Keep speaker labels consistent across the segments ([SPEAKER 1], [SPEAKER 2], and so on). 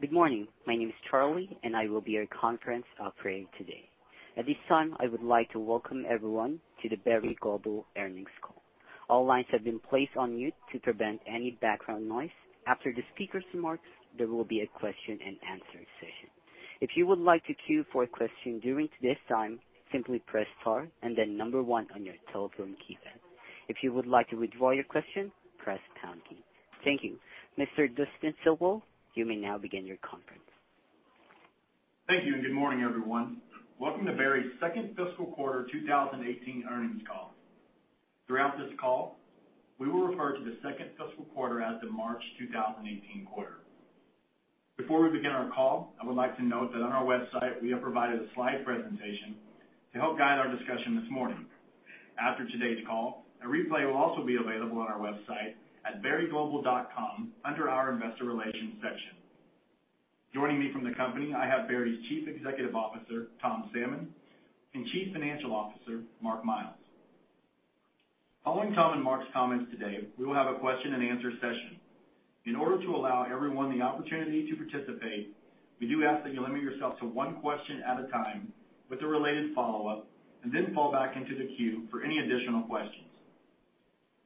[SPEAKER 1] Good morning. My name is Charlie, and I will be your conference operator today. At this time, I would like to welcome everyone to the Berry Global earnings call. All lines have been placed on mute to prevent any background noise. After the speakers' remarks, there will be a question and answer session. If you would like to queue for a question during this time, simply press star and then number one on your telephone keypad. If you would like to withdraw your question, press pound key. Thank you. Mr. Dustin Selvo, you may now begin your conference.
[SPEAKER 2] Thank you, and good morning, everyone. Welcome to Berry's second fiscal quarter 2018 earnings call. Throughout this call, we will refer to the second fiscal quarter as the March 2018 quarter. Before we begin our call, I would like to note that on our website, we have provided a slide presentation to help guide our discussion this morning. After today's call, a replay will also be available on our website at berryglobal.com under our investor relations section. Joining me from the company, I have Berry's Chief Executive Officer, Tom Salmon, and Chief Financial Officer, Mark Miles. Following Tom and Mark's comments today, we will have a question and answer session. In order to allow everyone the opportunity to participate, we do ask that you limit yourself to one question at a time with a related follow-up, and then fall back into the queue for any additional questions.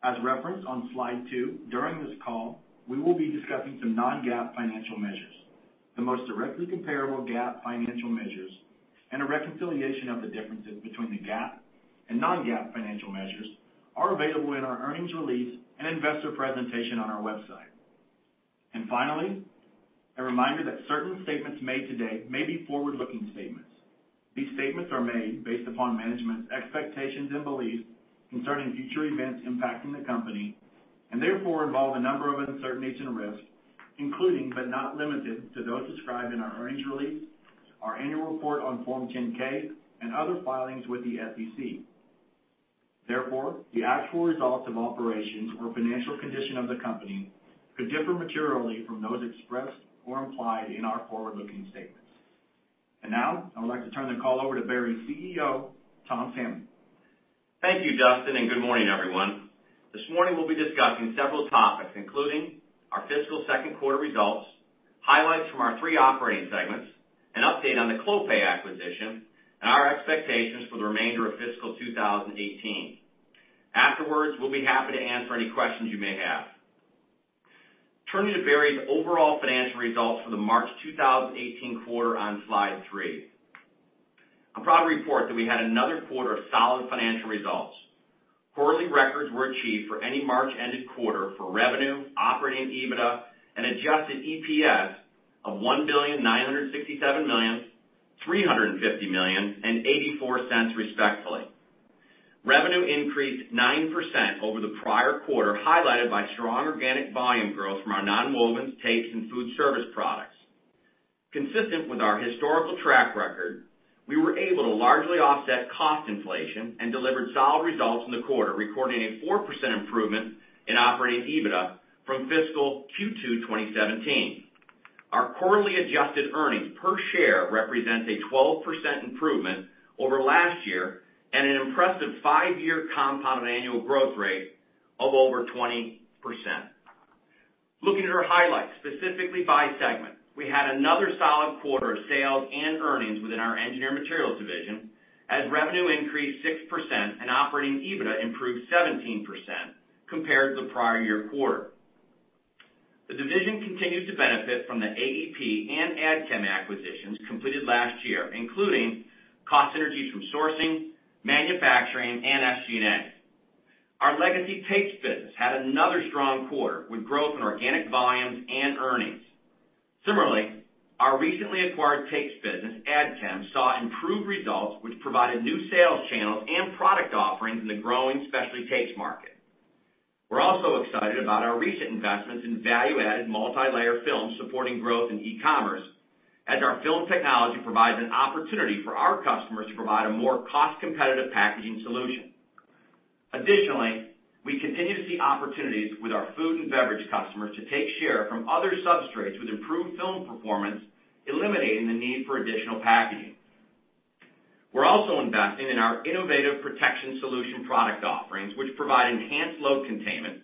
[SPEAKER 2] As referenced on slide two, during this call, we will be discussing some non-GAAP financial measures. The most directly comparable GAAP financial measures, and a reconciliation of the differences between the GAAP and non-GAAP financial measures are available in our earnings release and investor presentation on our website. Finally, a reminder that certain statements made today may be forward-looking statements. These statements are made based upon management's expectations and beliefs concerning future events impacting the company, and therefore involve a number of uncertainties and risks, including but not limited to those described in our earnings release, our annual report on Form 10-K, and other filings with the SEC. Therefore, the actual results of operations or financial condition of the company could differ materially from those expressed or implied in our forward-looking statements. Now, I would like to turn the call over to Berry's CEO, Tom Salmon.
[SPEAKER 3] Thank you, Dustin, and good morning, everyone. This morning we'll be discussing several topics, including our fiscal second quarter results, highlights from our three operating segments, an update on the Clopay acquisition, and our expectations for the remainder of fiscal 2018. Afterwards, we'll be happy to answer any questions you may have. Turning to Berry's overall financial results for the March 2018 quarter on slide three. I'm proud to report that we had another quarter of solid financial results. Quarterly records were achieved for any March-ended quarter for revenue, operating EBITDA, and adjusted EPS of $1,967,000,000, $350 million, and $0.84 respectively. Revenue increased 9% over the prior quarter, highlighted by strong organic volume growth from our nonwovens, tapes, and food service products. Consistent with our historical track record, we were able to largely offset cost inflation and delivered solid results in the quarter, recording a 4% improvement in operating EBITDA from fiscal Q2 2017. Our quarterly adjusted earnings per share represents a 12% improvement over last year and an impressive five-year compound annual growth rate of over 20%. Looking at our highlights, specifically by segment. We had another solid quarter of sales and earnings within our Engineered Materials division, as revenue increased 6% and operating EBITDA improved 17% compared to the prior year quarter. The division continues to benefit from the AEP and Adchem acquisitions completed last year, including cost synergies from sourcing, manufacturing, and SG&A. Our legacy tapes business had another strong quarter, with growth in organic volumes and earnings. Our recently acquired tapes business, Adchem, saw improved results, which provided new sales channels and product offerings in the growing specialty tapes market. We're also excited about our recent investments in value-added multilayer films supporting growth in e-commerce, as our film technology provides an opportunity for our customers to provide a more cost-competitive packaging solution. We continue to see opportunities with our food and beverage customers to take share from other substrates with improved film performance, eliminating the need for additional packaging. We're also investing in our innovative protection solution product offerings, which provide enhanced load containment,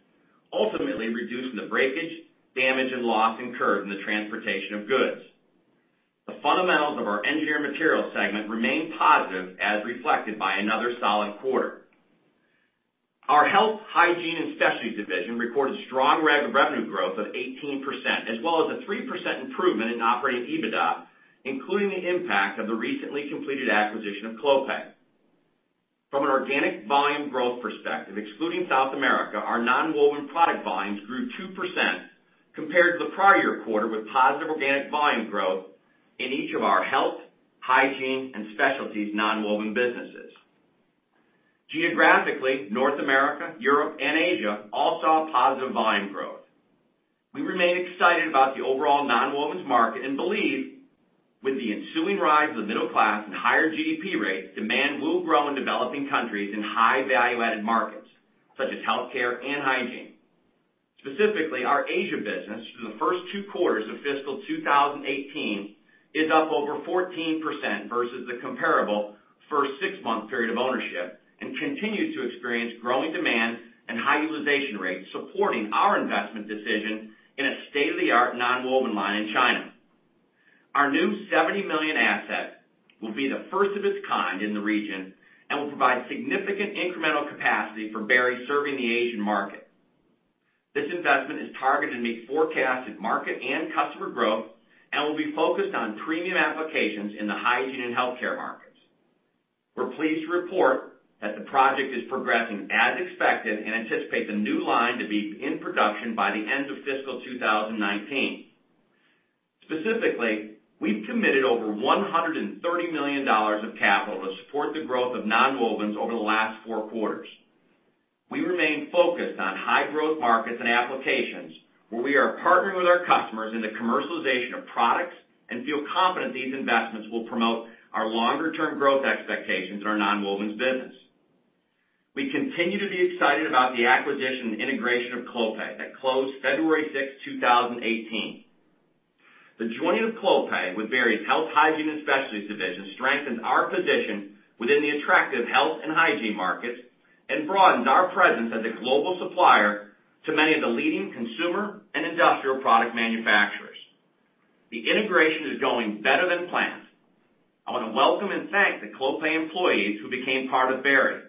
[SPEAKER 3] ultimately reducing the breakage, damage, and loss incurred in the transportation of goods. The fundamentals of our Engineered Materials segment remain positive as reflected by another solid quarter. Our Health, Hygiene, and Specialties division reported strong revenue growth of 18%, as well as a 3% improvement in operating EBITDA, including the impact of the recently completed acquisition of Clopay. From an organic volume growth perspective, excluding South America, our nonwoven product volumes grew 2% compared to the prior year quarter with positive organic volume growth in each of our Health, Hygiene, and Specialties nonwoven businesses. Geographically, North America, Europe, and Asia all saw positive volume growth. We remain excited about the overall nonwovens market and believe with the ensuing rise of the middle class and higher GDP rates, demand will grow in developing countries in high value-added markets such as healthcare and hygiene. Our Asia business for the first two quarters of fiscal 2018 is up over 14% versus the comparable first six-month period of ownership, and continues to experience growing demand and high utilization rates, supporting our investment decision in a state-of-the-art nonwoven line in China. Our new $70 million asset will be the first of its kind in the region, and will provide significant incremental capacity for Berry serving the Asian market. This investment is targeted to meet forecasted market and customer growth, and will be focused on premium applications in the hygiene and healthcare markets. We're pleased to report that the project is progressing as expected and anticipate the new line to be in production by the end of fiscal 2019. We've committed over $130 million of capital to support the growth of nonwovens over the last four quarters. We remain focused on high growth markets and applications where we are partnering with our customers in the commercialization of products, and feel confident these investments will promote our longer-term growth expectations in our nonwovens business. We continue to be excited about the acquisition and integration of Clopay that closed February 6th, 2018. The joining of Clopay with Berry's Health, Hygiene, and Specialties division strengthens our position within the attractive health and hygiene markets, and broadens our presence as a global supplier to many of the leading consumer and industrial product manufacturers. The integration is going better than planned. I want to welcome and thank the Clopay employees who became part of Berry.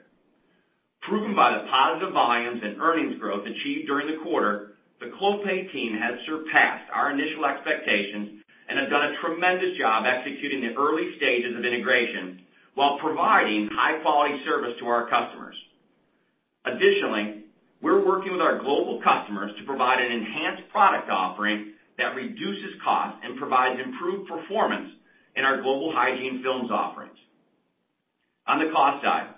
[SPEAKER 3] Proven by the positive volumes and earnings growth achieved during the quarter, the Clopay team has surpassed our initial expectations and have done a tremendous job executing the early stages of integration while providing high-quality service to our customers. Additionally, we're working with our global customers to provide an enhanced product offering that reduces cost and provides improved performance in our global hygiene films offerings. On the cost side,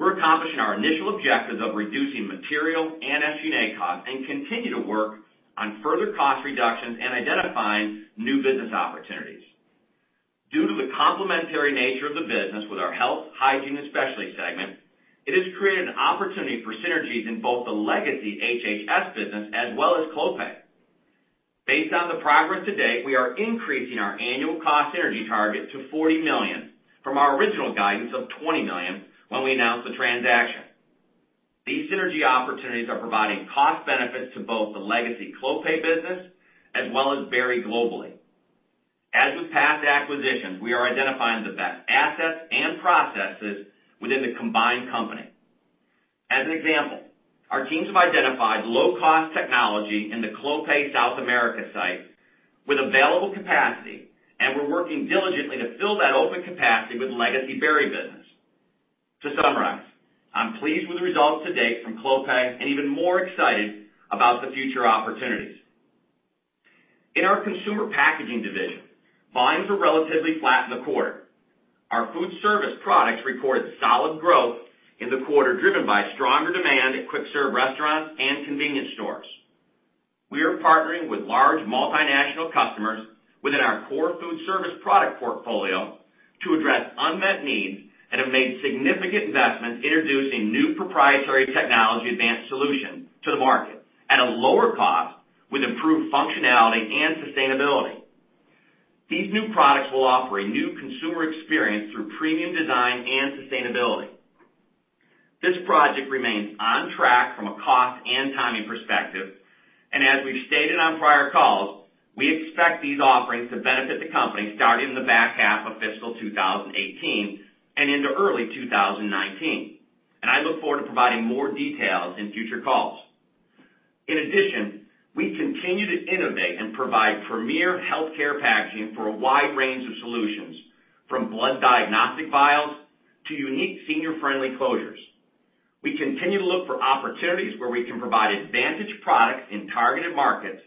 [SPEAKER 3] we're accomplishing our initial objectives of reducing material and SG&A costs, and continue to work on further cost reductions and identifying new business opportunities. Due to the complementary nature of the business with our Health, Hygiene, and Specialties segment, it has created an opportunity for synergies in both the legacy HH&S business as well as Clopay. Based on the progress to date, we are increasing our annual cost synergy target to $40 million from our original guidance of $20 million when we announced the transaction. These synergy opportunities are providing cost benefits to both the legacy Clopay business as well as Berry globally. As with past acquisitions, we are identifying the best assets and processes within the combined company. As an example, our teams have identified low-cost technology in the Clopay South America site with available capacity, and we're working diligently to fill that open capacity with legacy Berry business. To summarize, I'm pleased with the results to date from Clopay, and even more excited about the future opportunities. In our Consumer Packaging division, volumes were relatively flat in the quarter. Our food service products reported solid growth in the quarter, driven by stronger demand at quick serve restaurants and convenience stores. We are partnering with large multinational customers within our core food service product portfolio to address unmet needs and have made significant investments introducing new proprietary technology advanced solutions to the market at a lower cost with improved functionality and sustainability. These new products will offer a new consumer experience through premium design and sustainability. This project remains on track from a cost and timing perspective, and as we've stated on prior calls, we expect these offerings to benefit the company starting in the back half of fiscal 2018 and into early 2019. I look forward to providing more details in future calls. In addition, we continue to innovate and provide premier healthcare packaging for a wide range of solutions, from blood diagnostic vials to unique senior friendly closures. We continue to look for opportunities where we can provide advantage products in targeted markets.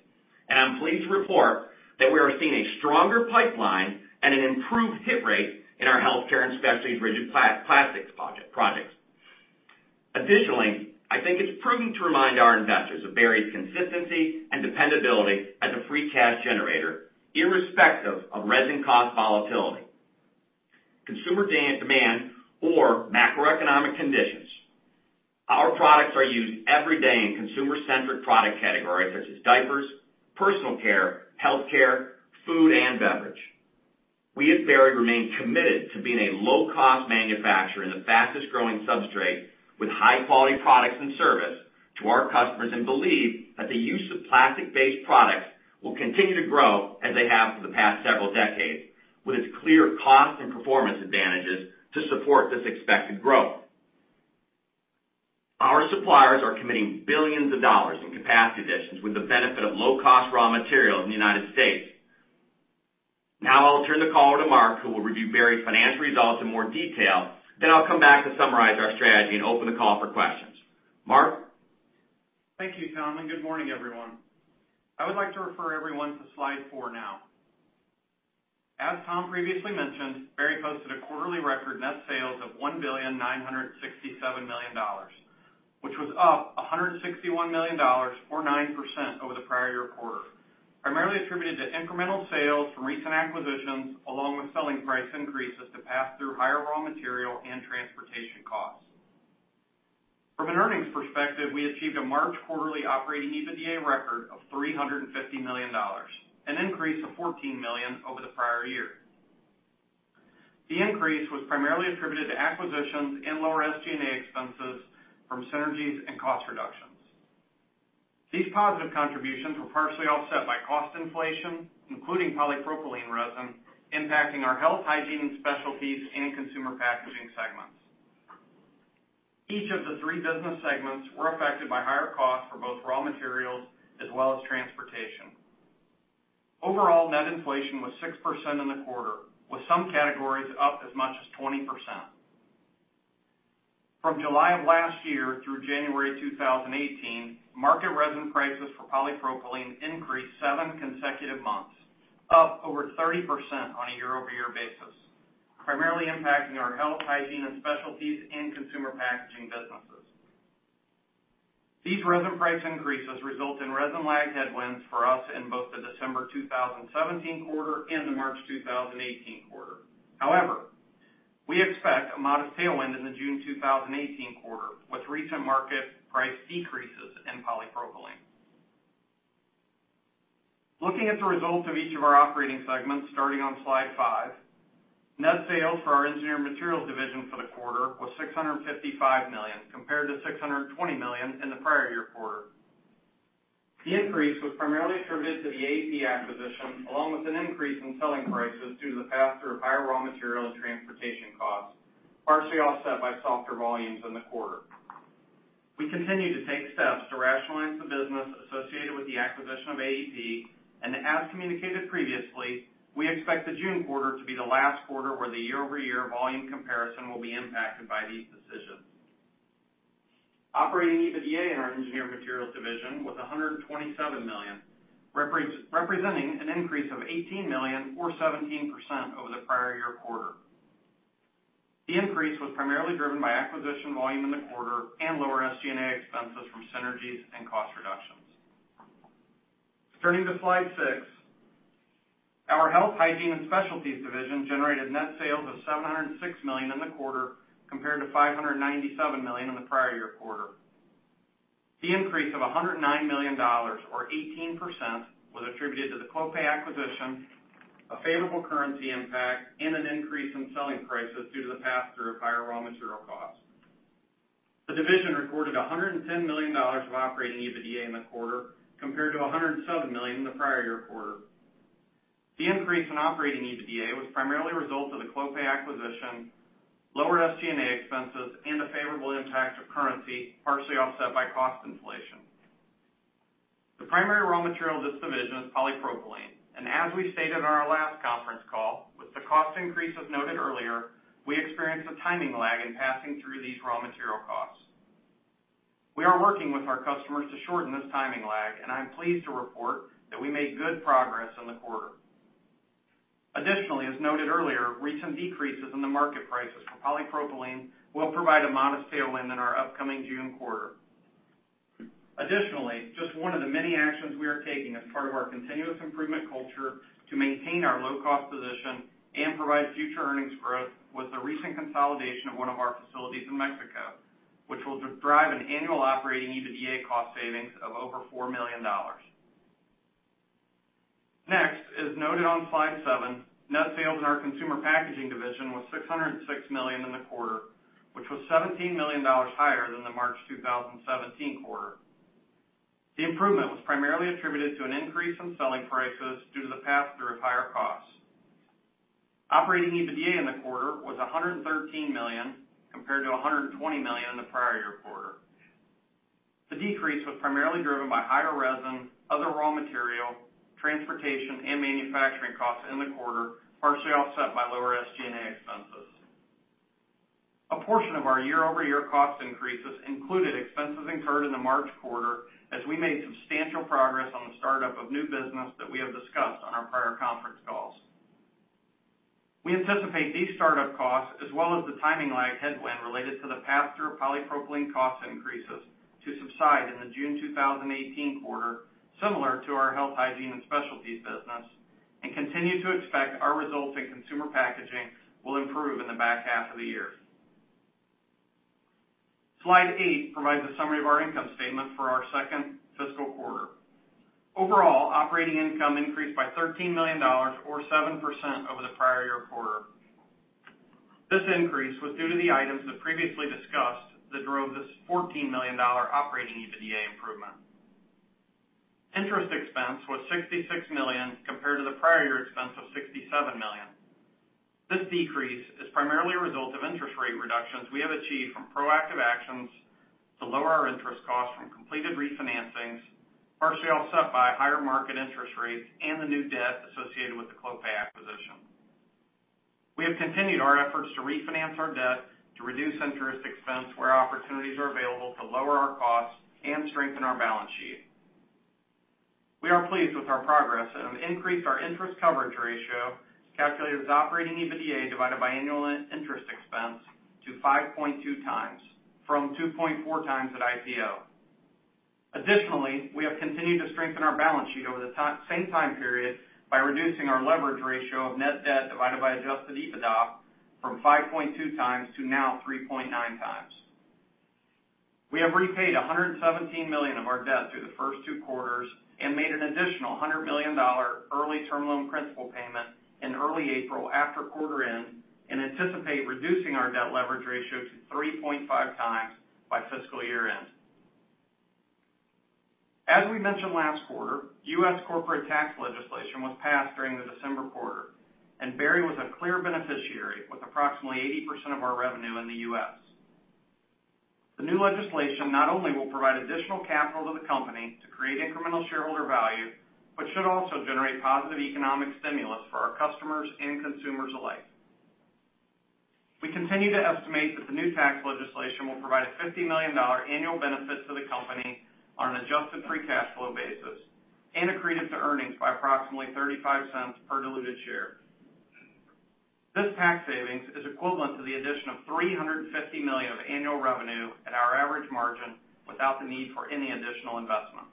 [SPEAKER 3] I'm pleased to report that we are seeing a stronger pipeline and an improved hit rate in our healthcare and specialties rigid plastics projects. Additionally, I think it's prudent to remind our investors of Berry's consistency and dependability as a free cash generator, irrespective of resin cost volatility, consumer demand, or macroeconomic conditions. Our products are used every day in consumer-centric product categories such as diapers, personal care, healthcare, food, and beverage. We at Berry remain committed to being a low-cost manufacturer in the fastest-growing substrate with high-quality products and service to our customers and believe that the use of plastic-based products will continue to grow as they have for the past several decades, with its clear cost and performance advantages to support this expected growth. Our suppliers are committing billions of dollars in capacity additions with the benefit of low-cost raw materials in the U.S. I'll turn the call over to Mark, who will review Berry's financial results in more detail. I'll come back to summarize our strategy and open the call for questions. Mark?
[SPEAKER 4] Thank you, Tom. Good morning, everyone. I would like to refer everyone to slide four. As Tom previously mentioned, Berry posted a quarterly record net sales of $1,967 million, which was up $161 million or 9% over the prior year quarter, primarily attributed to incremental sales from recent acquisitions, along with selling price increases to pass through higher raw material and transportation costs. From an earnings perspective, we achieved a March quarterly operating EBITDA record of $350 million, an increase of $14 million over the prior year. The increase was primarily attributed to acquisitions and lower SG&A expenses from synergies and cost reductions. These positive contributions were partially offset by cost inflation, including polypropylene resin, impacting our Health, Hygiene, and Specialties in Consumer Packaging segments. Each of the three business segments were affected by higher costs for both raw materials as well as transportation. Overall, net inflation was 6% in the quarter, with some categories up as much as 20%. From July of last year through January 2018, market resin prices for polypropylene increased seven consecutive months, up over 30% on a year-over-year basis, primarily impacting our Health, Hygiene, and Specialties in Consumer Packaging businesses. These resin price increases result in resin lagged headwinds for us in both the December 2017 quarter and the March 2018 quarter. We expect a modest tailwind in the June 2018 quarter, with recent market price decreases in polypropylene. Looking at the results of each of our operating segments, starting on slide five, net sales for our Engineered Materials division for the quarter was $655 million, compared to $620 million in the prior year quarter. The increase was primarily attributed to the AEP acquisition, along with an increase in selling prices due to the pass-through of higher raw material and transportation costs, partially offset by softer volumes in the quarter. We continue to take steps to rationalize the business associated with the acquisition of AEP, and as communicated previously, we expect the June quarter to be the last quarter where the year-over-year volume comparison will be impacted by these decisions. Operating EBITDA in our Engineered Materials division was $127 million, representing an increase of $18 million or 17% over the prior year quarter. The increase was primarily driven by acquisition volume in the quarter and lower SG&A expenses from synergies and cost reductions. Turning to slide six, our Health, Hygiene, and Specialties division generated net sales of $706 million in the quarter, compared to $597 million in the prior year quarter. The increase of $109 million or 18% was attributed to the Clopay acquisition, a favorable currency impact, and an increase in selling prices due to the pass-through of higher raw material costs. The division recorded $110 million of Operating EBITDA in the quarter, compared to $107 million in the prior year quarter. The increase in Operating EBITDA was primarily a result of the Clopay acquisition, lower SG&A expenses, and a favorable impact of currency, partially offset by cost inflation. The primary raw material of this division is polypropylene, and as we stated on our last conference call, with the cost increases noted earlier, we experienced a timing lag in passing through these raw material costs. We are working with our customers to shorten this timing lag, and I'm pleased to report that we made good progress in the quarter. Additionally, as noted earlier, recent decreases in the market prices for polypropylene will provide a modest tailwind in our upcoming June quarter. Additionally, just one of the many actions we are taking as part of our continuous improvement culture to maintain our low-cost position and provide future earnings growth with the recent consolidation of one of our facilities in Mexico, which will drive an annual Operating EBITDA cost savings of over $4 million. Next, as noted on slide seven, net sales in our Consumer Packaging division was $606 million in the quarter, which was $17 million higher than the March 2017 quarter. The improvement was primarily attributed to an increase in selling prices due to the pass-through of higher costs. Operating EBITDA in the quarter was $113 million, compared to $120 million in the prior year quarter. The decrease was primarily driven by higher resin, other raw material, transportation, and manufacturing costs in the quarter, partially offset by lower SG&A expenses. A portion of our year-over-year cost increases included expenses incurred in the March quarter, as we made substantial progress on the startup of new business that we have discussed on our prior conference calls. We anticipate these startup costs as well as the timing lag headwind related to the pass-through of polypropylene cost increases to subside in the June 2018 quarter, similar to our Health, Hygiene, and Specialties business, and continue to expect our results in Consumer Packaging will improve in the back half of the year. Slide eight provides a summary of our income statement for our second fiscal quarter. Overall, operating income increased by $13 million or 7% over the prior year quarter. This increase was due to the items previously discussed that drove this $14 million operating EBITDA improvement. Interest expense was $66 million compared to the prior year expense of $67 million. This decrease is primarily a result of interest rate reductions we have achieved from proactive actions to lower our interest costs from completed refinancings, partially offset by higher market interest rates and the new debt associated with the Clopay acquisition. We have continued our efforts to refinance our debt to reduce interest expense where opportunities are available to lower our costs and strengthen our balance sheet. We are pleased with our progress and have increased our interest coverage ratio, calculated as operating EBITDA divided by annual net interest expense, to 5.2 times from 2.4 times at IPO. We have continued to strengthen our balance sheet over the same time period by reducing our leverage ratio of net debt divided by adjusted EBITDA from 5.2 times to now 3.9 times. We have repaid $117 million of our debt through the first two quarters and made an additional $100 million early term loan principal payment in early April after quarter end, and anticipate reducing our debt leverage ratio to 3.5 times by fiscal year-end. As we mentioned last quarter, U.S. corporate tax legislation was passed during the December quarter, and Berry was a clear beneficiary with approximately 80% of our revenue in the U.S. The new legislation not only will provide additional capital to the company to create incremental shareholder value, should also generate positive economic stimulus for our customers and consumers alike. We continue to estimate that the new tax legislation will provide a $50 million annual benefit to the company on an adjusted free cash flow basis and accretive to earnings by approximately $0.35 per diluted share. This tax savings is equivalent to the addition of $350 million of annual revenue at our average margin without the need for any additional investment.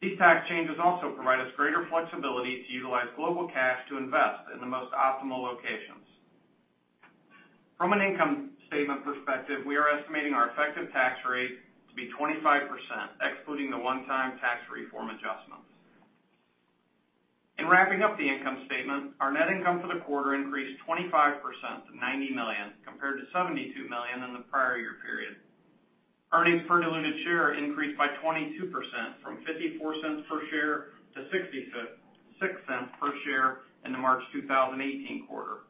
[SPEAKER 4] These tax changes also provide us greater flexibility to utilize global cash to invest in the most optimal locations. From an income statement perspective, we are estimating our effective tax rate to be 25%, excluding the one-time tax reform adjustments. In wrapping up the income statement, our net income for the quarter increased 25% to $90 million compared to $72 million in the prior year period. Earnings per diluted share increased by 22%, from $0.54 per share to $0.66 per share in the March 2018 quarter.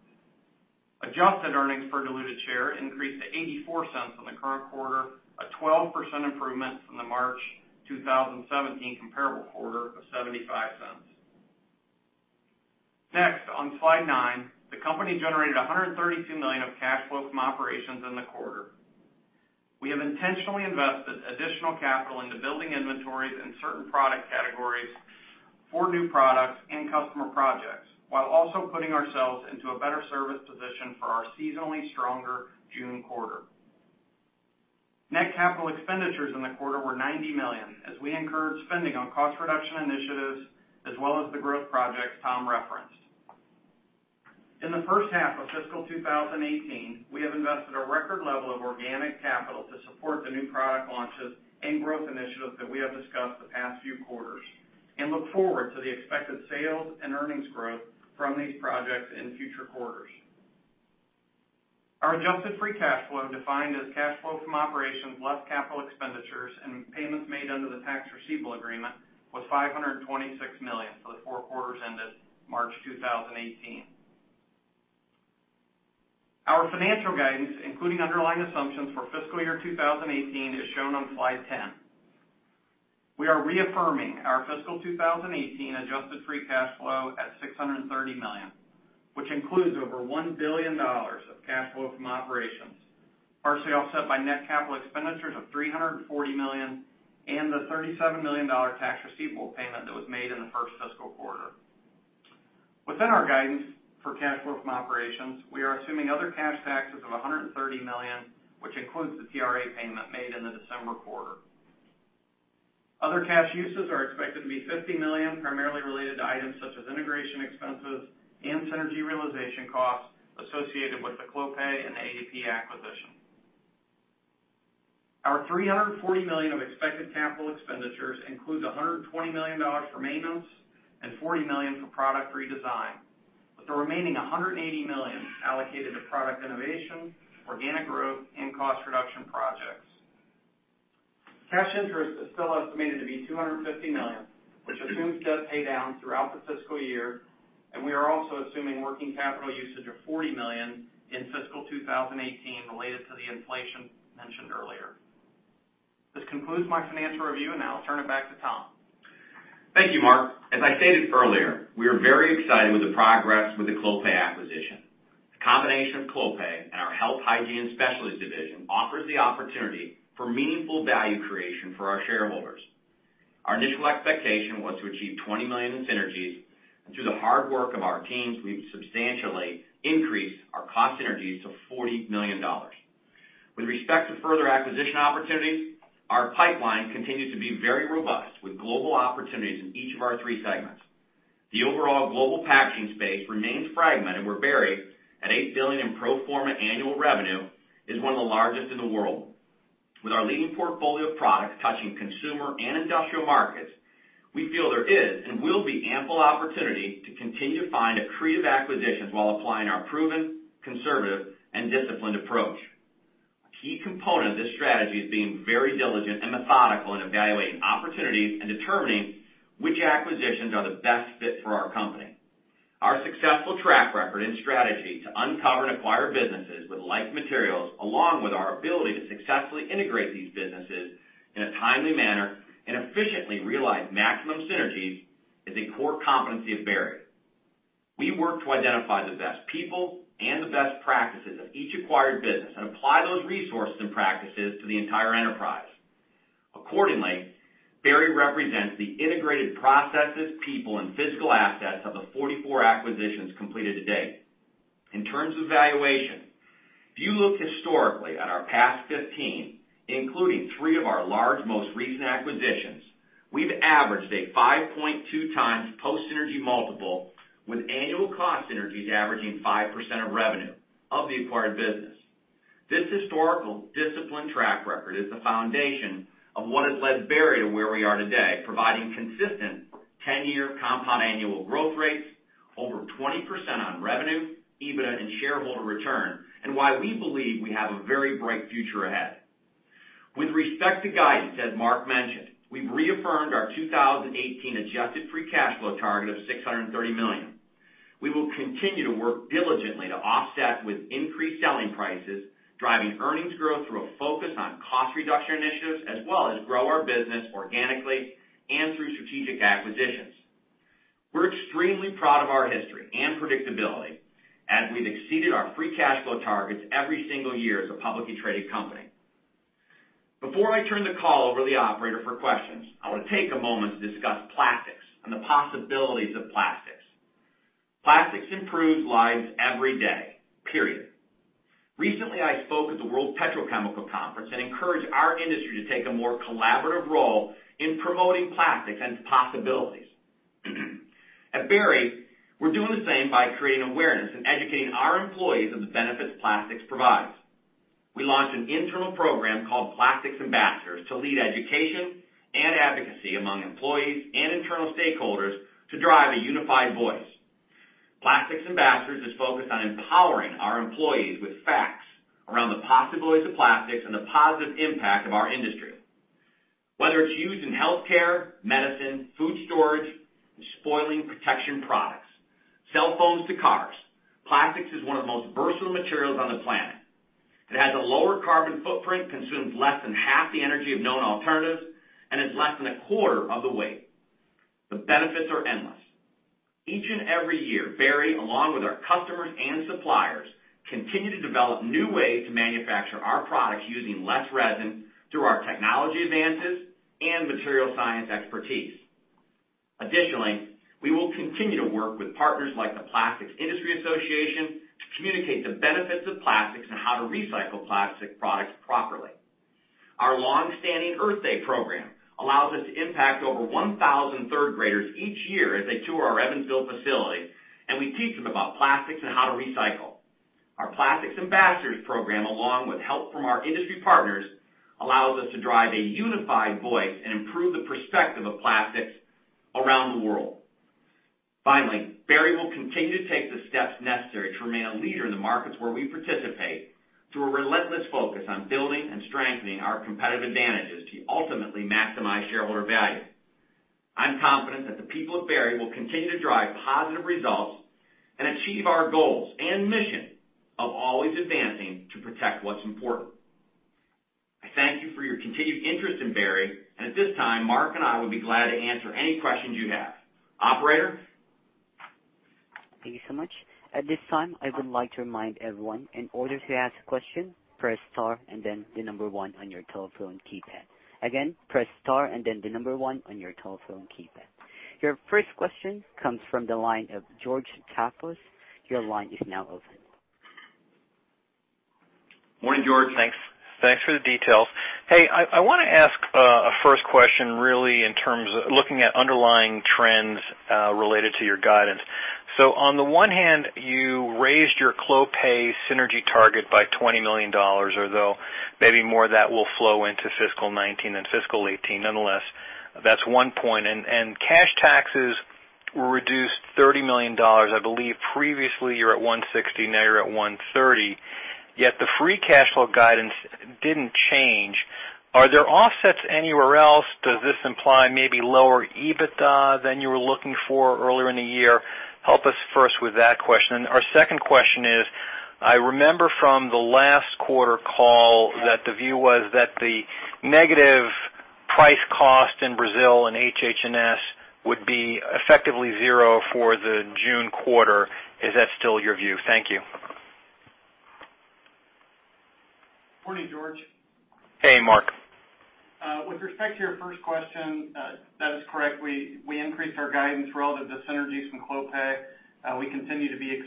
[SPEAKER 4] Adjusted earnings per diluted share increased to $0.84 in the current quarter, a 12% improvement from the March 2017 comparable quarter of $0.75. On slide nine, the company generated $132 million of cash flow from operations in the quarter. We have intentionally invested additional capital into building inventories in certain product categories for new products and customer projects, while also putting ourselves into a better service position for our seasonally stronger June quarter. Net capital expenditures in the quarter were $90 million as we incurred spending on cost reduction initiatives as well as the growth projects Tom referenced. In the first half of fiscal 2018, we have invested a record level of organic capital to support the new product launches and growth initiatives that we have discussed the past few quarters, and look forward to the expected sales and earnings growth from these projects in future quarters. Our adjusted free cash flow, defined as cash flow from operations less capital expenditures and payments made under the tax receivable agreement, was $526 million for the four quarters ended March 2018. Our financial guidance, including underlying assumptions for fiscal year 2018, is shown on slide 10. We are reaffirming our fiscal 2018 adjusted free cash flow at $630 million, which includes over $1 billion of cash flow from operations, partially offset by net capital expenditures of $340 million and the $37 million tax receivable payment that was made in the first fiscal quarter. Within our guidance for cash flow from operations, we are assuming other cash taxes of $130 million, which includes the TRA payment made in the December quarter. Other cash uses are expected to be $50 million, primarily related to items such as integration expenses and synergy realization costs associated with the Clopay and the AEP acquisition. Our $340 million of expected capital expenditures includes $120 million for maintenance and $40 million for product redesign, with the remaining $180 million allocated to product innovation, organic growth, and cost reduction projects. Cash interest is still estimated to be $250 million, which assumes debt paydown throughout the fiscal year, and we are also assuming working capital usage of $40 million in fiscal 2018 related to the inflation mentioned earlier. This concludes my financial review. Now I'll turn it back to Tom.
[SPEAKER 3] Thank you, Mark. As I stated earlier, we are very excited with the progress with the Clopay acquisition. The combination of Clopay and our Health & Hygiene Specialties division offers the opportunity for meaningful value creation for our shareholders. Our initial expectation was to achieve $20 million in synergies. Through the hard work of our teams, we've substantially increased our cost synergies to $40 million. With respect to further acquisition opportunities, our pipeline continues to be very robust with global opportunities in each of our three segments. The overall global packaging space remains fragmented, where Berry, at $8 billion in pro forma annual revenue, is one of the largest in the world. With our leading portfolio of products touching consumer and industrial markets, we feel there is and will be ample opportunity to continue to find accretive acquisitions while applying our proven, conservative, and disciplined approach. A key component of this strategy is being very diligent and methodical in evaluating opportunities and determining which acquisitions are the best fit for our company. Our successful track record and strategy to uncover and acquire businesses with like materials, along with our ability to successfully integrate these businesses in a timely manner and efficiently realize maximum synergies, is a core competency of Berry. We work to identify the best people and the best practices that each acquire resources and apply those resource and practices to the entire enterprise. Accordingly, Berry represents the integrated processes, people, and physical assets of the 44 acquisitions completed to date. In terms of valuation, if you look historically at our past 15, including three of our large, most recent acquisitions, we've averaged a 5.2x post synergy multiple with annual cost synergies averaging 5% of revenue of the acquired business. This historical discipline track record is the foundation of what has led Berry to where we are today, providing consistent 10-year compound annual growth rates over 20% on revenue, EBITDA, and shareholder return, and why we believe we have a very bright future ahead. With respect to guidance, as Mark mentioned, we've reaffirmed our 2018 adjusted free cash flow target of $630 million. We will continue to work diligently to offset with increased selling prices, driving earnings growth through a focus on cost reduction initiatives, as well as grow our business organically and through strategic acquisitions. We're extremely proud of our history and predictability, as we've exceeded our free cash flow targets every single year as a publicly traded company. Before I turn the call over to the operator for questions, I want to take a moment to discuss plastics and the possibilities of plastics. Plastics improves lives every day. Recently, I spoke at the World Petrochemical Conference and encouraged our industry to take a more collaborative role in promoting plastics and its possibilities. At Berry, we're doing the same by creating awareness and educating our employees on the benefits plastics provides. We launched an internal program called Plastics Ambassadors to lead education and advocacy among employees and internal stakeholders to drive a unified voice. Plastics Ambassadors is focused on empowering our employees with facts around the possibilities of plastics and the positive impact of our industry. Whether it's used in healthcare, medicine, food storage, and spoiling protection products, cell phones to cars, plastics is one of the most versatile materials on the planet. It has a lower carbon footprint, consumes less than half the energy of known alternatives, and is less than a quarter of the weight. The benefits are endless. Each and every year, Berry, along with our customers and suppliers, continue to develop new ways to manufacture our products using less resin through our technology advances and material science expertise. Additionally, we will continue to work with partners like the Plastics Industry Association to communicate the benefits of plastics and how to recycle plastic products properly. Our longstanding Earth Day program allows us to impact over 1,000 third graders each year as they tour our Evansville facility, and we teach them about plastics and how to recycle. Our Plastics Ambassadors program, along with help from our industry partners, allows us to drive a unified voice and improve the perspective of plastics around the world. Berry will continue to take the steps necessary to remain a leader in the markets where we participate through a relentless focus on building and strengthening our competitive advantages to ultimately maximize shareholder value. I'm confident that the people of Berry will continue to drive positive results and achieve our goals and mission of always advancing to protect what's important. I thank you for your continued interest in Berry, and at this time, Mark and I will be glad to answer any questions you have. Operator?
[SPEAKER 1] Thank you so much. At this time, I would like to remind everyone, in order to ask a question, press star and then the number 1 on your telephone keypad. Again, press star and then the number 1 on your telephone keypad. Your first question comes from the line of George Staphos. Your line is now open.
[SPEAKER 3] Morning, George.
[SPEAKER 5] Thanks. Thanks for the details. I want to ask a first question really in terms looking at underlying trends related to your guidance. On the one hand, you raised your Clopay synergy target by $20 million, although maybe more of that will flow into fiscal 2019 than fiscal 2018. Nonetheless, that's one point. Cash taxes were reduced $30 million. I believe previously you were at $160 million, now you're at $130 million, yet the free cash flow guidance didn't change. Are there offsets anywhere else? Does this imply maybe lower EBITDA than you were looking for earlier in the year? Help us first with that question. Our second question is, I remember from the last quarter call that the view was that the negative price cost in Brazil and HH&S would be effectively zero for the June quarter. Is that still your view? Thank you.
[SPEAKER 4] Morning, George.
[SPEAKER 5] Hey, Mark.
[SPEAKER 3] With respect to your first question, that is correct. We increased our guidance relative to synergies from Clopay. The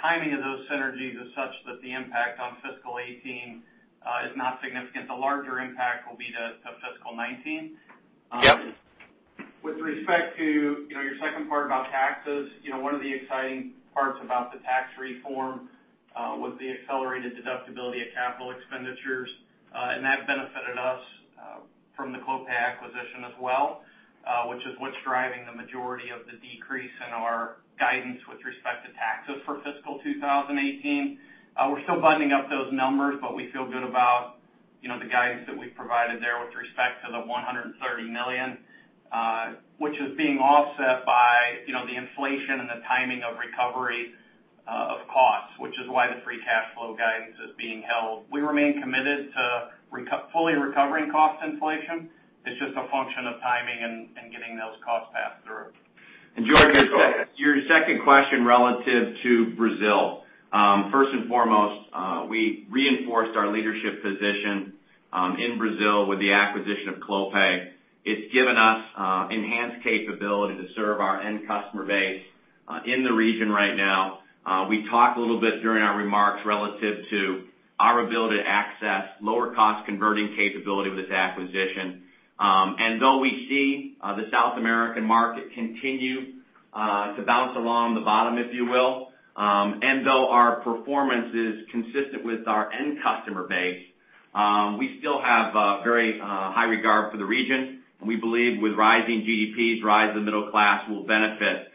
[SPEAKER 3] timing of those synergies is such that the impact on fiscal 2018 is not significant. The larger impact will be to fiscal 2019.
[SPEAKER 5] Yep.
[SPEAKER 4] With respect to, you know, your second part about taxes, you know, one of the exciting parts about the tax reform was the accelerated deductibility of capital expenditures, and that benefited us from the Clopay acquisition as well, which is what's driving the majority of the decrease in our guidance with respect to taxes for fiscal 2018. We're still buttoning up those numbers, but we feel good about, you know, the guidance that we've provided there with respect to the $130 million, which is being offset by, you know, the inflation and the timing of recovery of costs, which is why the free cash flow guidance is being held. We remain committed to fully recovering cost inflation. It's just a function of timing and getting those costs passed through. George, your second question relative to Brazil.
[SPEAKER 3] First and foremost, we reinforced our leadership position in Brazil with the acquisition of Clopay. It's given us enhanced capability to serve our end customer base in the region right now. We talked a little bit during our remarks relative to our ability to access lower cost converting capability with this acquisition. Though we see the South American market continue to bounce along the bottom, if you will, and though our performance is consistent with our end customer base, we still have very high regard for the region, and we believe with rising GDPs, rise of the middle class will benefit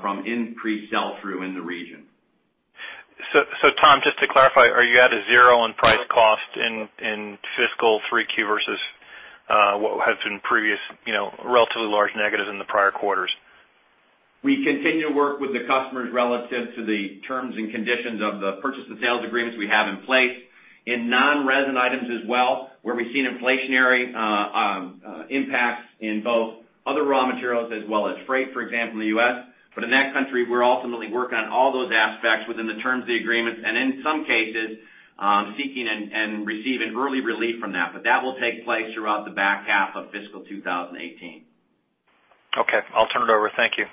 [SPEAKER 3] from increased sell-through in the region.
[SPEAKER 5] Tom, just to clarify, are you at a zero on price cost in fiscal 3Q versus what has been previous, relatively large negatives in the prior quarters?
[SPEAKER 3] We continue to work with the customers relative to the terms and conditions of the purchase and sales agreements we have in place. In non-resin items as well, where we've seen inflationary impacts in both other raw materials as well as freight, for example, in the U.S., but in that country, we're ultimately working on all those aspects within the terms of the agreements, and in some cases, seeking and receiving early relief from that. That will take place throughout the back half of fiscal 2018.
[SPEAKER 5] Okay. I'll turn it over. Thank you.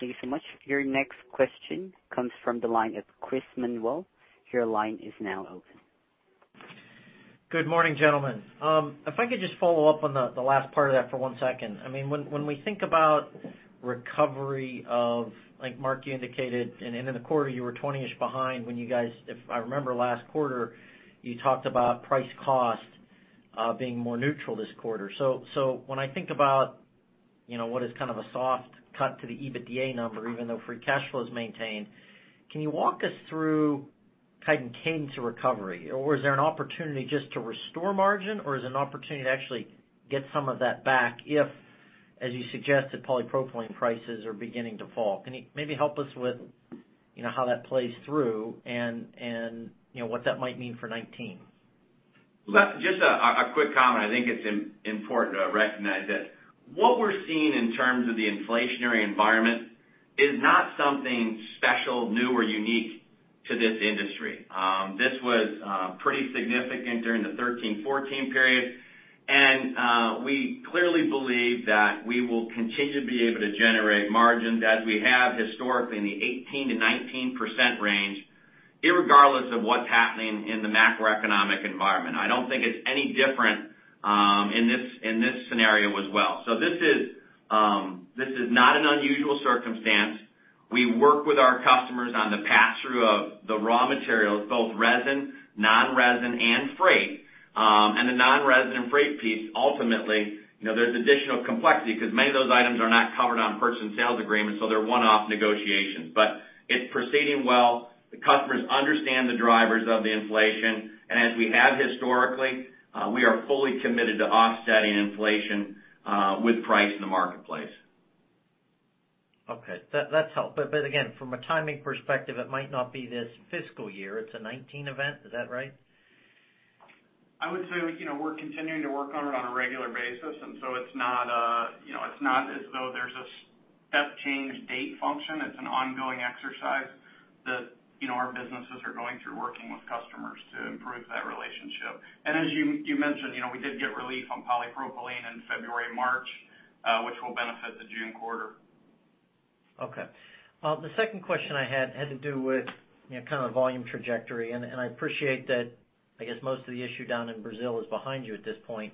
[SPEAKER 1] Thank you so much. Your next question comes from the line of Chris Manuel. Your line is now open.
[SPEAKER 6] Good morning, gentlemen. If I could just follow up on the last part of that for one second. When we think about recovery of, like Mark, you indicated at the end of the quarter, you were 20-ish behind when you guys, if I remember last quarter, you talked about price cost being more neutral this quarter. When I think about what is kind of a soft cut to the EBITDA number, even though free cash flow is maintained, can you walk us through kind of cadence of recovery? Or is there an opportunity just to restore margin, or is it an opportunity to actually get some of that back if, as you suggested, polypropylene prices are beginning to fall? Can you maybe help us with how that plays through and what that might mean for 2019?
[SPEAKER 3] Just a quick comment. I think it's important to recognize that what we're seeing in terms of the inflationary environment is not something special, new, or unique to this industry. This was pretty significant during the 2013, 2014 period, and we clearly believe that we will continue to be able to generate margins as we have historically in the 18%-19% range, irregardless of what's happening in the macroeconomic environment. I don't think it's any different in this scenario as well. This is not an unusual circumstance. We work with our customers on the pass-through of the raw materials, both resin, non-resin, and freight. The non-resin and freight piece, ultimately, there's additional complexity because many of those items are not covered on purchase and sales agreements, so they're one-off negotiations. It's proceeding well. The customers understand the drivers of the inflation, as we have historically, we are fully committed to offsetting inflation with price in the marketplace.
[SPEAKER 6] Okay. That's helpful. From a timing perspective, it might not be this fiscal year, it's a 2019 event. Is that right?
[SPEAKER 4] I would say we're continuing to work on it on a regular basis, so it's not as though there's a step change date function. It's an ongoing exercise that our businesses are going through working with customers to improve that relationship. As you mentioned, we did get relief on polypropylene in February, March, which will benefit the June quarter.
[SPEAKER 6] Okay. The second question I had to do with kind of volume trajectory. I appreciate that, I guess, most of the issue down in Brazil is behind you at this point.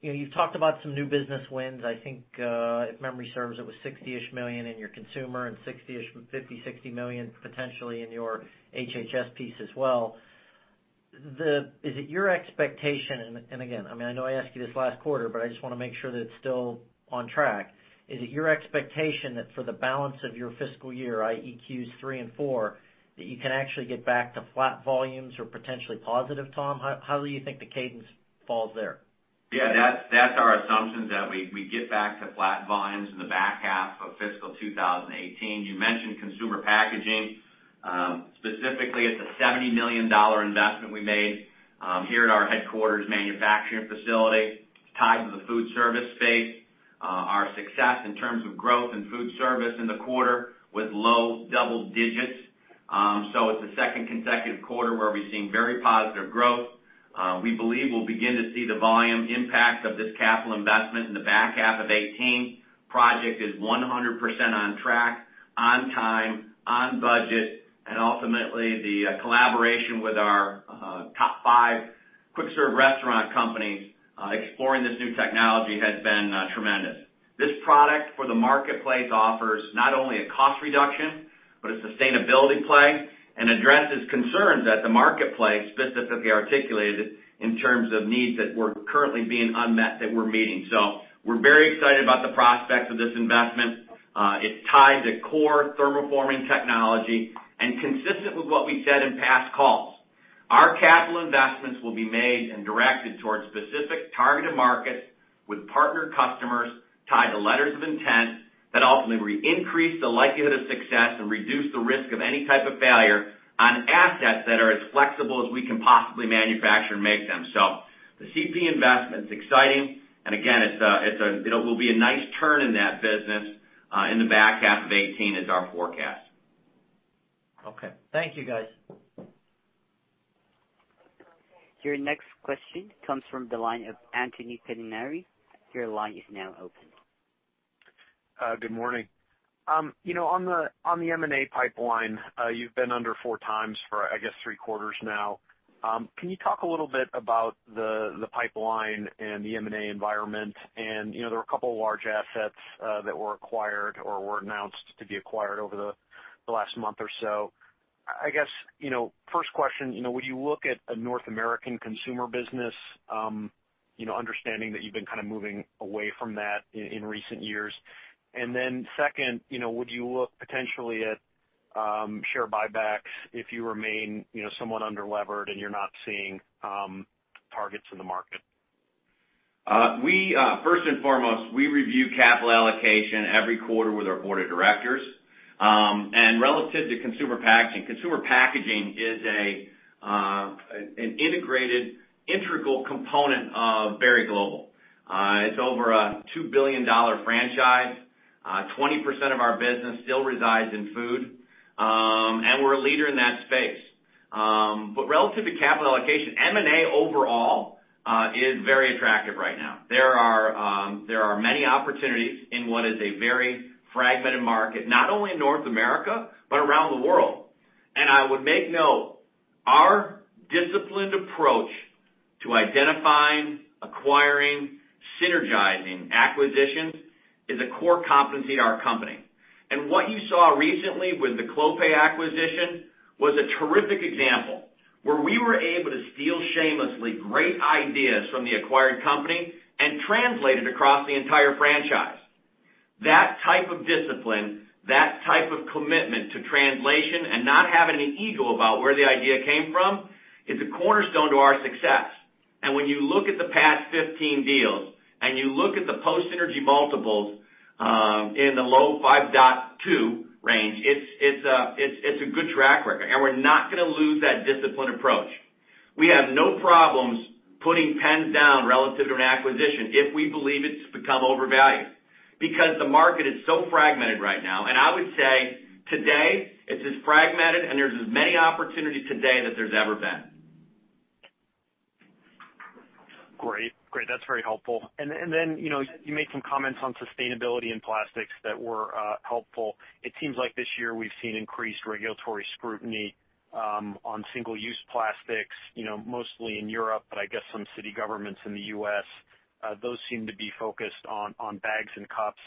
[SPEAKER 6] You've talked about some new business wins. I think, if memory serves, it was $60 million in your Consumer Packaging and $50 million-$60 million potentially in your HH&S piece as well. Is it your expectation, and again, I know I asked you this last quarter, but I just want to make sure that it's still on track. Is it your expectation that for the balance of your fiscal year, i.e., Q3 and 4, that you can actually get back to flat volumes or potentially positive, Tom? How do you think the cadence falls there?
[SPEAKER 3] Yeah, that's our assumption, that we get back to flat volumes in the back half of fiscal 2018. You mentioned Consumer Packaging. Specifically, it's a $70 million investment we made here at our headquarters manufacturing facility. It's tied to the food service space. Our success in terms of growth in food service in the quarter was low double digits. So it's the second consecutive quarter where we've seen very positive growth. We believe we'll begin to see the volume impact of this capital investment in the back half of 2018. Project is 100% on track, on time, on budget. Ultimately, the collaboration with our top five quick serve restaurant companies exploring this new technology has been tremendous. This product for the marketplace offers not only a cost reduction, but a sustainability play and addresses concerns that the marketplace specifically articulated in terms of needs that were currently being unmet that we're meeting. We're very excited about the prospects of this investment. It's tied to core thermoforming technology. Consistent with what we said in past calls, our capital investments will be made and directed towards specific targeted markets with partner customers tied to letters of intent that ultimately will increase the likelihood of success and reduce the risk of any type of failure on assets that are as flexible as we can possibly manufacture and make them. The CP investment's exciting, and again, it will be a nice turn in that business, in the back half of 2018 is our forecast.
[SPEAKER 6] Okay. Thank you, guys.
[SPEAKER 1] Your next question comes from the line of Anthony Pettinari. Your line is now open.
[SPEAKER 7] Good morning. On the M&A pipeline, you've been under 4 times for, I guess, three quarters now. Can you talk a little bit about the pipeline and the M&A environment? There were a couple of large assets that were acquired or were announced to be acquired over the last month or so. First question, would you look at a North American consumer business, understanding that you've been kind of moving away from that in recent years? Second, would you look potentially at share buybacks if you remain somewhat under-levered and you're not seeing targets in the market?
[SPEAKER 3] First and foremost, we review capital allocation every quarter with our board of directors. Relative to Consumer Packaging, Consumer Packaging is an integrated, integral component of Berry Global. It's over a $2 billion franchise. 20% of our business still resides in food, and we're a leader in that space. Relative to capital allocation, M&A overall is very attractive right now. There are many opportunities in what is a very fragmented market, not only in North America, but around the world. I would make note, our disciplined approach to identifying, acquiring, synergizing acquisitions is a core competency in our company. What you saw recently with the Clopay acquisition was a terrific example where we were able to steal shamelessly great ideas from the acquired company and translate it across the entire franchise. That type of discipline, that type of commitment to translation and not having an ego about where the idea came from, is a cornerstone to our success. When you look at the past 15 deals, and you look at the post-synergy multiples in the low 5.2 range, it's a good track record. We're not going to lose that disciplined approach. We have no problems putting pens down relative to an acquisition if we believe it's become overvalued, because the market is so fragmented right now. I would say today, it's as fragmented and there's as many opportunities today than there's ever been.
[SPEAKER 7] Great. That's very helpful. You made some comments on sustainability and plastics that were helpful. It seems like this year we've seen increased regulatory scrutiny on single-use plastics, mostly in Europe, but I guess some city governments in the U.S. Those seem to be focused on bags and cups.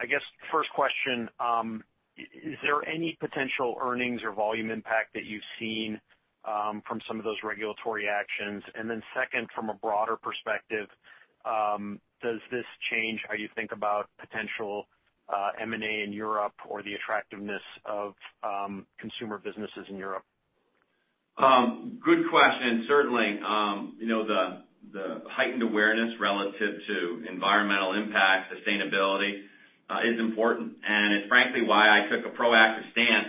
[SPEAKER 7] I guess, first question, is there any potential earnings or volume impact that you've seen from some of those regulatory actions? Second, from a broader perspective, does this change how you think about potential M&A in Europe or the attractiveness of consumer businesses in Europe?
[SPEAKER 3] Good question. Certainly, the heightened awareness relative to environmental impact, sustainability is important, and it's frankly why I took a proactive stance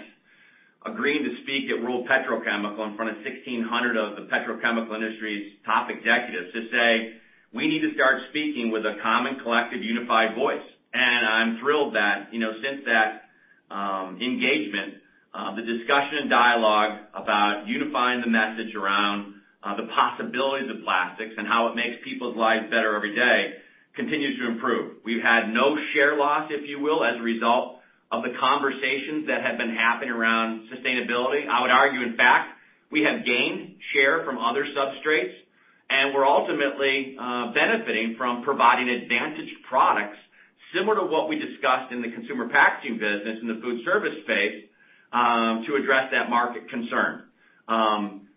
[SPEAKER 3] agreeing to speak at World Petrochemical in front of 1,600 of the petrochemical industry's top executives to say we need to start speaking with a common collective, unified voice. I'm thrilled that since that engagement, the discussion and dialogue about unifying the message around the possibilities of plastics and how it makes people's lives better every day continues to improve. We've had no share loss, if you will, as a result of the conversations that have been happening around sustainability. I would argue, in fact, we have gained share from other substrates, and we're ultimately benefiting from providing advantaged products, similar to what we discussed in the Consumer Packaging business in the food service space, to address that market concern.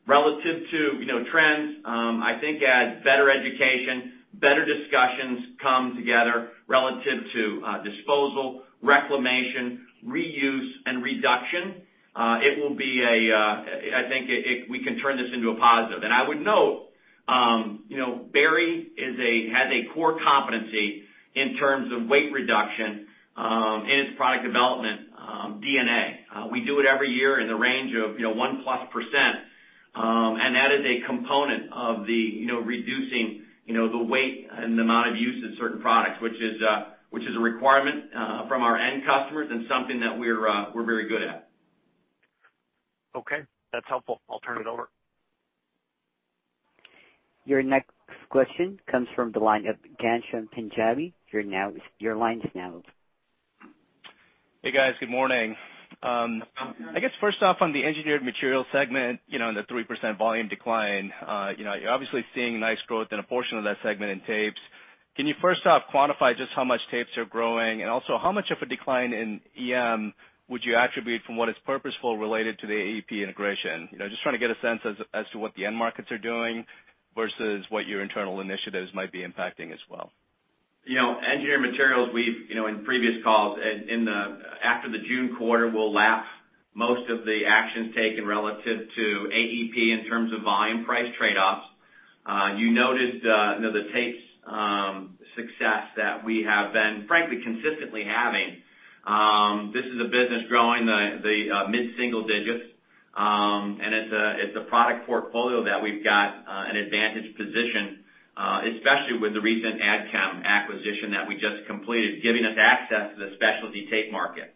[SPEAKER 3] Relative to trends, I think as better education, better discussions come together relative to disposal, reclamation, reuse, and reduction, I think we can turn this into a positive. I would note Berry has a core competency in terms of weight reduction in its product development DNA. We do it every year in the range of one-plus percent, and that is a component of the reducing the weight and the amount of use of certain products, which is a requirement from our end customers and something that we're very good at.
[SPEAKER 7] Okay, that's helpful. I'll turn it over.
[SPEAKER 1] Your next question comes from the line of Ghansham Panjabi. Your line is now open.
[SPEAKER 8] Hey, guys. Good morning. I guess first off, on the Engineered Materials segment, the 3% volume decline, you're obviously seeing nice growth in a portion of that segment in tapes. Can you first off quantify just how much tapes are growing? Also, how much of a decline in EM would you attribute from what is purposeful related to the AEP integration? Just trying to get a sense as to what the end markets are doing versus what your internal initiatives might be impacting as well.
[SPEAKER 3] Engineered Materials, in previous calls, after the June quarter, we'll lap most of the actions taken relative to AEP in terms of volume price trade-offs. You noticed the tapes success that we have been frankly consistently having. This is a business growing the mid-single digits, and it's a product portfolio that we've got an advantage position, especially with the recent Adchem acquisition that we just completed, giving us access to the specialty tape market.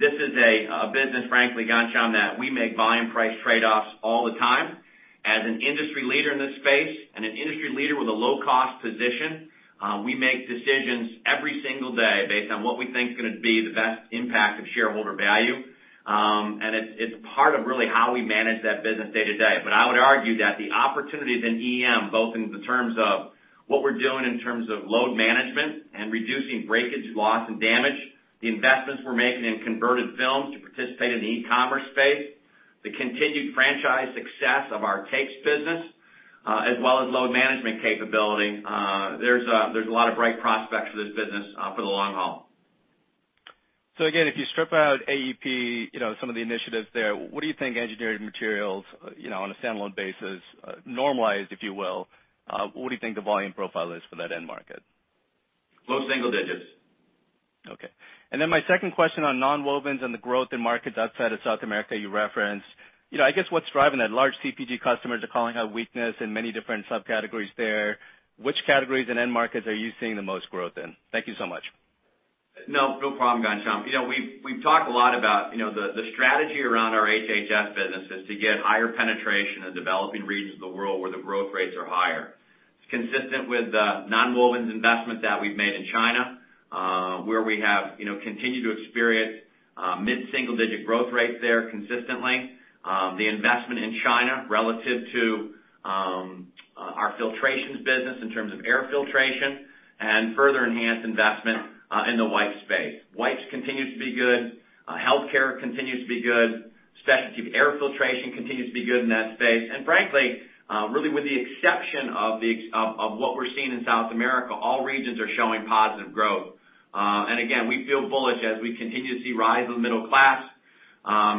[SPEAKER 3] This is a business, frankly, Ghansham, that we make volume price trade-offs all the time. As an industry leader in this space and an industry leader with a low-cost position, we make decisions every single day based on what we think is going to be the best impact of shareholder value. It's part of really how we manage that business day to day. I would argue that the opportunities in EM, both in the terms of what we're doing in terms of load management and reducing breakage, loss, and damage, the investments we're making in converted film to participate in the e-commerce space, the continued franchise success of our tapes business, as well as load management capability, there's a lot of bright prospects for this business for the long haul.
[SPEAKER 8] Again, if you strip out AEP, some of the initiatives there, what do you think Engineered Materials, on a standalone basis, normalized, if you will, what do you think the volume profile is for that end market?
[SPEAKER 3] Low single digits.
[SPEAKER 8] Then my second question on nonwovens and the growth in markets outside of South America you referenced. I guess what's driving that, large CPG customers are calling out weakness in many different subcategories there. Which categories and end markets are you seeing the most growth in? Thank you so much.
[SPEAKER 3] No real problem, Ghansham. We've talked a lot about the strategy around our HHS business is to get higher penetration in developing regions of the world where the growth rates are higher. It's consistent with the nonwovens investment that we've made in China, where we have continued to experience mid-single-digit growth rates there consistently. The investment in China relative to our filtrations business in terms of air filtration and further enhanced investment in the wipe space. Wipes continues to be good. Healthcare continues to be good. Specialty air filtration continues to be good in that space. Frankly, really with the exception of what we're seeing in South America, all regions are showing positive growth. Again, we feel bullish as we continue to see rise of middle class,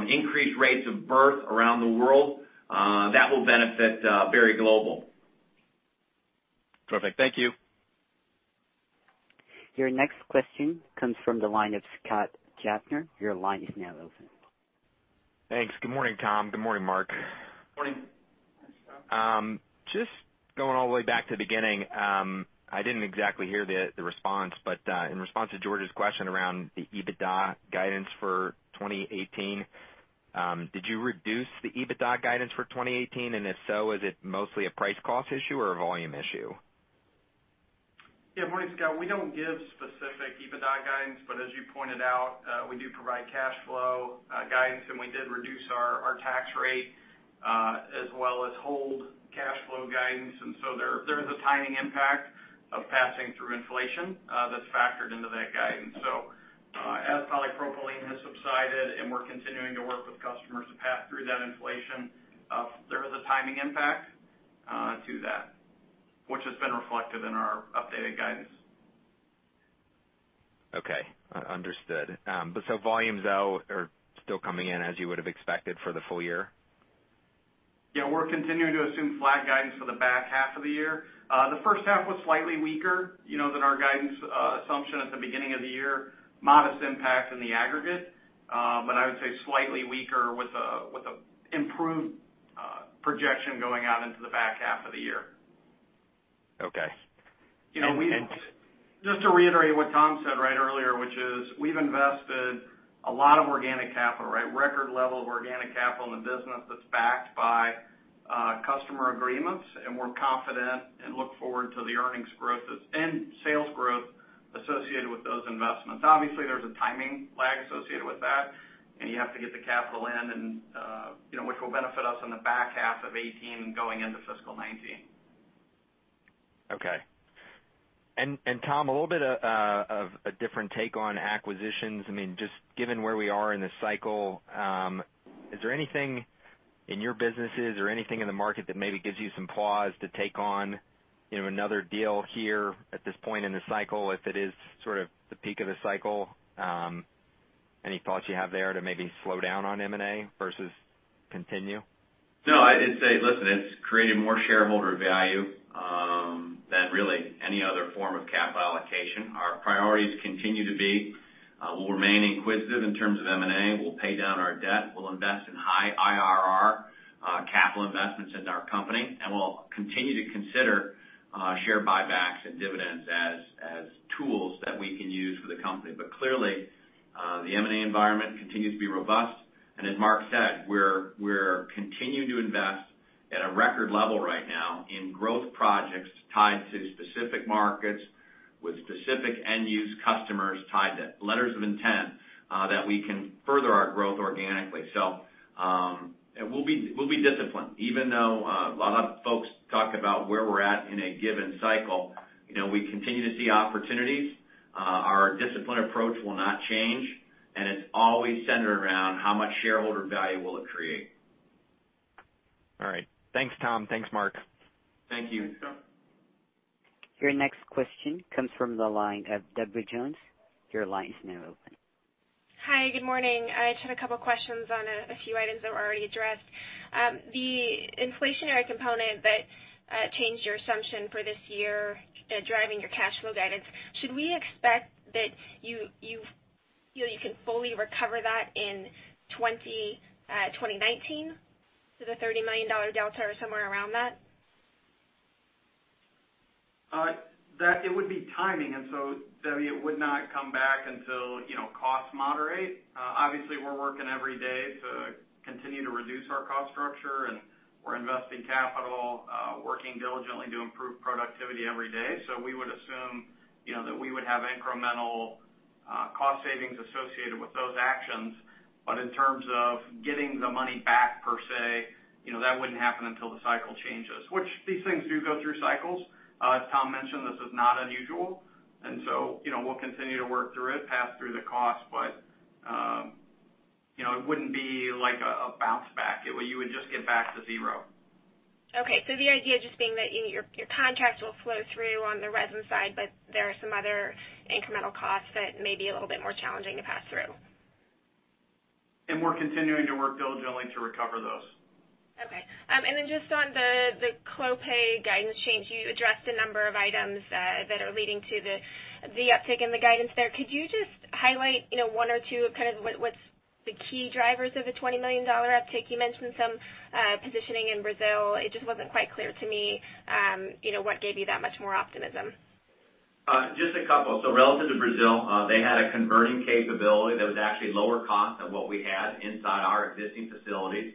[SPEAKER 3] increased rates of birth around the world. That will benefit Berry Global.
[SPEAKER 8] Perfect. Thank you.
[SPEAKER 1] Your next question comes from the line of Scott Gaffner. Your line is now open.
[SPEAKER 9] Thanks. Good morning, Thomas. Good morning, Mark.
[SPEAKER 3] Morning.
[SPEAKER 9] Going all the way back to the beginning. I didn't exactly hear the response, but in response to George Staphos's question around the EBITDA guidance for 2018, did you reduce the EBITDA guidance for 2018? If so, is it mostly a price-cost issue or a volume issue?
[SPEAKER 3] Morning, Scott Gaffner. We don't give specific EBITDA guidance, but as you pointed out, we do provide cash flow guidance, and we did reduce our tax rate, as well as hold cash flow guidance. There is a timing impact of passing through inflation that's factored into that guidance. As polypropylene has subsided and we're continuing to work with customers to pass through that inflation, there is a timing impact to that, which has been reflected in our updated guidance.
[SPEAKER 9] Understood. Volumes, though, are still coming in as you would have expected for the full year?
[SPEAKER 3] We're continuing to assume flat guidance for the back half of the year. The first half was slightly weaker than our guidance assumption at the beginning of the year. Modest impact in the aggregate. I would say slightly weaker with an improved projection going out into the back half of the year.
[SPEAKER 9] Okay.
[SPEAKER 3] Just to reiterate what Tom said right earlier, which is we've invested a lot of organic capital, right? Record level of organic capital in the business that's backed by customer agreements. We're confident and look forward to the earnings growth and sales growth associated with those investments. Obviously, there's a timing lag associated with that. You have to get the capital in, which will benefit us in the back half of 2018 going into fiscal 2019.
[SPEAKER 9] Okay. Tom, a little bit of a different take on acquisitions. Just given where we are in this cycle, is there anything in your businesses or anything in the market that maybe gives you some pause to take on another deal here at this point in the cycle, if it is sort of the peak of the cycle? Any thoughts you have there to maybe slow down on M&A versus continue?
[SPEAKER 3] No, I'd say, listen, it's created more shareholder value than really any other form of capital allocation. Our priorities continue to be, we'll remain inquisitive in terms of M&A. We'll pay down our debt. We'll invest in high IRR capital investments into our company. We'll continue to consider share buybacks and dividends as tools that we can use for the company. Clearly, the M&A environment continues to be robust. As Mark said, we're continuing to invest at a record level right now in growth projects tied to specific markets with specific end-use customers tied to letters of intent that we can further our growth organically. We'll be disciplined. Even though a lot of folks talk about where we're at in a given cycle, we continue to see opportunities. Our disciplined approach will not change, and it's always centered around how much shareholder value will it create.
[SPEAKER 9] All right. Thanks, Tom. Thanks, Mark.
[SPEAKER 4] Thank you. Thanks, Scott.
[SPEAKER 1] Your next question comes from the line of Debbie Jones. Your line is now open.
[SPEAKER 10] Hi, good morning. I just had a couple questions on a few items that were already addressed. The inflationary component that changed your assumption for this year, driving your cash flow guidance, should we expect that you can fully recover that in 2019 to the $30 million delta or somewhere around that?
[SPEAKER 4] It would be timing. Debbie, it would not come back until costs moderate. Obviously, we're working every day to continue to reduce our cost structure, and we're investing capital, working diligently to improve productivity every day. We would assume that we would have incremental cost savings associated with those actions. In terms of getting the money back per se, that wouldn't happen until the cycle changes. Which these things do go through cycles. As Tom mentioned, this is not unusual. We'll continue to work through it, pass through the cost, but it wouldn't be like a bounce back. You would just get back to zero.
[SPEAKER 10] Okay, the idea just being that your contracts will flow through on the resin side, but there are some other incremental costs that may be a little bit more challenging to pass through.
[SPEAKER 4] We're continuing to work diligently to recover those.
[SPEAKER 10] Okay. Just on the Clopay guidance change, you addressed a number of items that are leading to the uptick in the guidance there. Could you just highlight one or two of what's the key drivers of the $20 million uptick? You mentioned some positioning in Brazil. It just wasn't quite clear to me what gave you that much more optimism.
[SPEAKER 3] Just a couple. Relative to Brazil, they had a converting capability that was actually lower cost than what we had inside our existing facilities.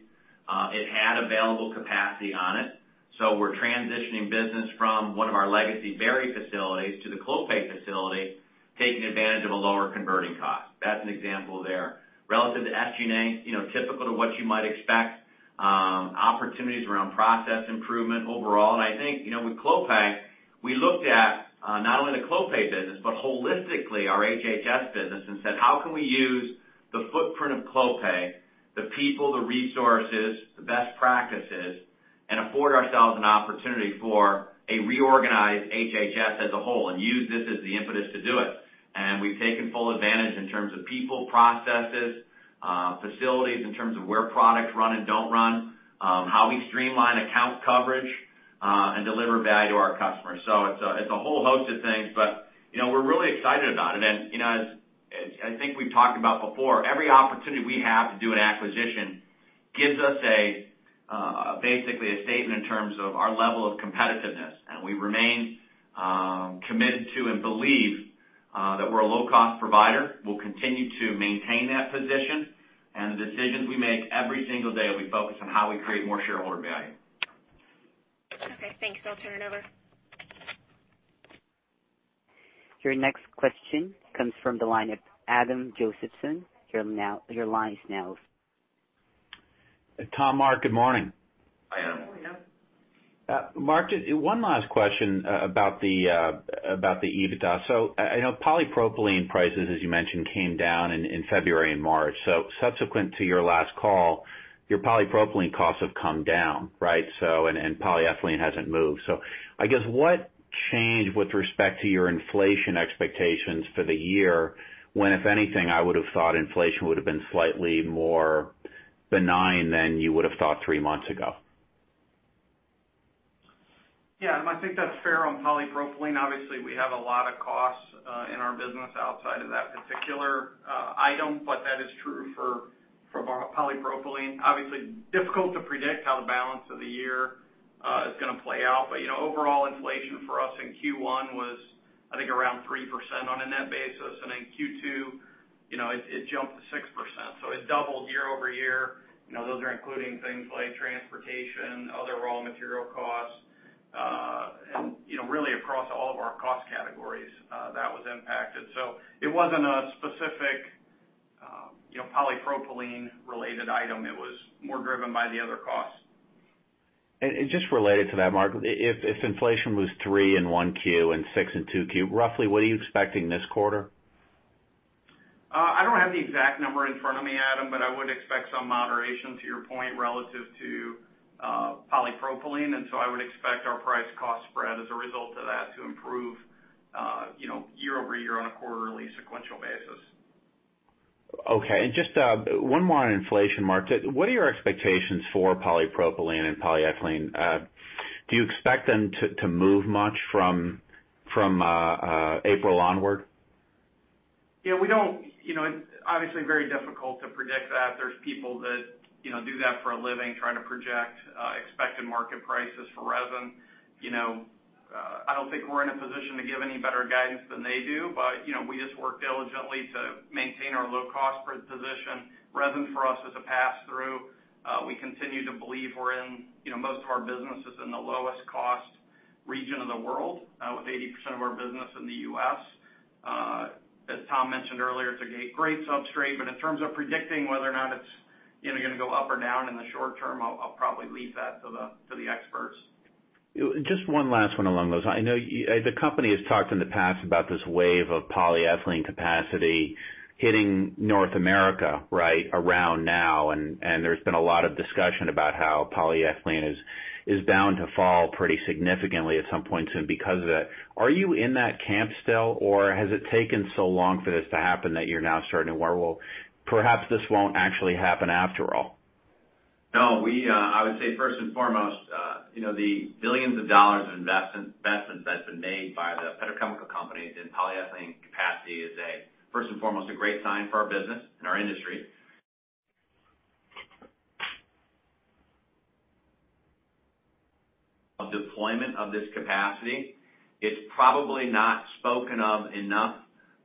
[SPEAKER 3] It had available capacity on it. We're transitioning business from one of our legacy Berry facilities to the Clopay facility, taking advantage of a lower converting cost. That's an example there. Relative to SG&A, typical to what you might expect, opportunities around process improvement overall. I think with Clopay, we looked at not only the Clopay business, but holistically our HHS business and said, "How can we use the footprint of Clopay, the people, the resources, the best practices, and afford ourselves an opportunity for a reorganized HHS as a whole, and use this as the impetus to do it?" We've taken full advantage in terms of people, processes, facilities, in terms of where products run and don't run, how we streamline account coverage, and deliver value to our customers. It's a whole host of things, but we're really excited about it. I think we've talked about before, every opportunity we have to do an acquisition gives us basically a statement in terms of our level of competitiveness. We remain committed to and believe that we're a low-cost provider. We'll continue to maintain that position. The decisions we make every single day will be focused on how we create more shareholder value.
[SPEAKER 10] Okay, thanks. I'll turn it over.
[SPEAKER 1] Your next question comes from the line of Adam Josephson. Your line is now open.
[SPEAKER 11] Tom, Mark, good morning.
[SPEAKER 3] Hi, Adam.
[SPEAKER 4] Good morning, Adam.
[SPEAKER 11] Mark, just one last question about the EBITDA. I know polypropylene prices, as you mentioned, came down in February and March. Subsequent to your last call, your polypropylene costs have come down, right? Polyethylene hasn't moved. I guess what changed with respect to your inflation expectations for the year, when if anything, I would've thought inflation would've been slightly more benign than you would've thought three months ago?
[SPEAKER 4] Yeah, Adam, I think that's fair on polypropylene. Obviously, we have a lot of costs in our business outside of that particular item, but that is true for polypropylene. Obviously, difficult to predict how the balance of the year is going to play out, but overall inflation for us in Q1 was, I think, around 3% on a net basis. In Q2, it jumped to 6%. It doubled year-over-year. Those are including things like transportation, other raw material costs, and really across all of our cost categories that was impacted. It wasn't a specific polypropylene related item. It was more driven by the other costs.
[SPEAKER 11] Just related to that, Mark, if inflation was three in 1Q and six in 2Q, roughly what are you expecting this quarter?
[SPEAKER 4] I don't have the exact number in front of me, Adam, but I would expect some moderation to your point relative to polypropylene. So I would expect our price cost spread as a result of that to improve year-over-year on a quarterly sequential basis.
[SPEAKER 11] Okay. Just one more on inflation, Mark. What are your expectations for polypropylene and polyethylene? Do you expect them to move much from April onward?
[SPEAKER 4] Yeah, we don't. It's obviously very difficult to predict that. There's people that do that for a living, trying to project expected market prices for resin. I don't think we're in a position to give any better guidance than they do. We just work diligently to maintain our low cost position. Resin for us is a pass through. We continue to believe most of our business is in the lowest cost region in the world, with 80% of our business in the U.S. As Tom mentioned earlier, it's a great substrate, but in terms of predicting whether or not it's going to go up or down in the short term, I'll probably leave that to the experts.
[SPEAKER 11] Just one last one along those lines. I know the company has talked in the past about this wave of polyethylene capacity hitting North America right around now. There's been a lot of discussion about how polyethylene is bound to fall pretty significantly at some point soon because of that. Are you in that camp still, or has it taken so long for this to happen that you're now starting to worry, "Well, perhaps this won't actually happen after all?
[SPEAKER 3] No. I would say first and foremost the billions of dollars of investments that's been made by the petrochemical companies in polyethylene capacity is first and foremost a great sign for our business and our industry. Deployment of this capacity is probably not spoken of enough,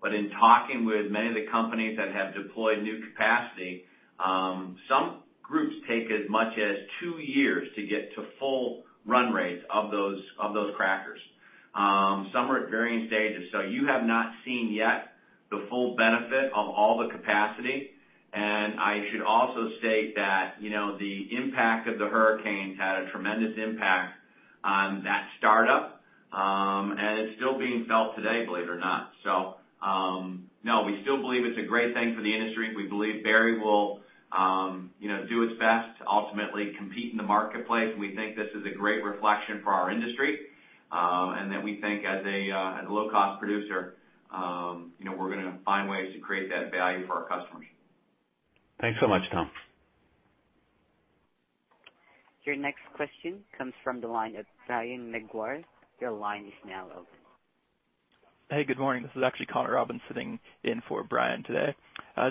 [SPEAKER 3] but in talking with many of the companies that have deployed new capacity, some groups take as much as two years to get to full run rates of those crackers. Some are at varying stages, you have not seen yet the full benefit of all the capacity. I should also state that the impact of the hurricanes had a tremendous impact on that startup, and it's still being felt today, believe it or not. No, we still believe it's a great thing for the industry. We believe Berry will do its best to ultimately compete in the marketplace. We think this is a great reflection for our industry, and that we think as a low-cost producer we're going to find ways to create that value for our customers.
[SPEAKER 11] Thanks so much, Tom.
[SPEAKER 1] Your next question comes from the line of Brian Maguire. Your line is now open.
[SPEAKER 12] Hey, good morning. This is actually Connor Robinson sitting in for Brian today.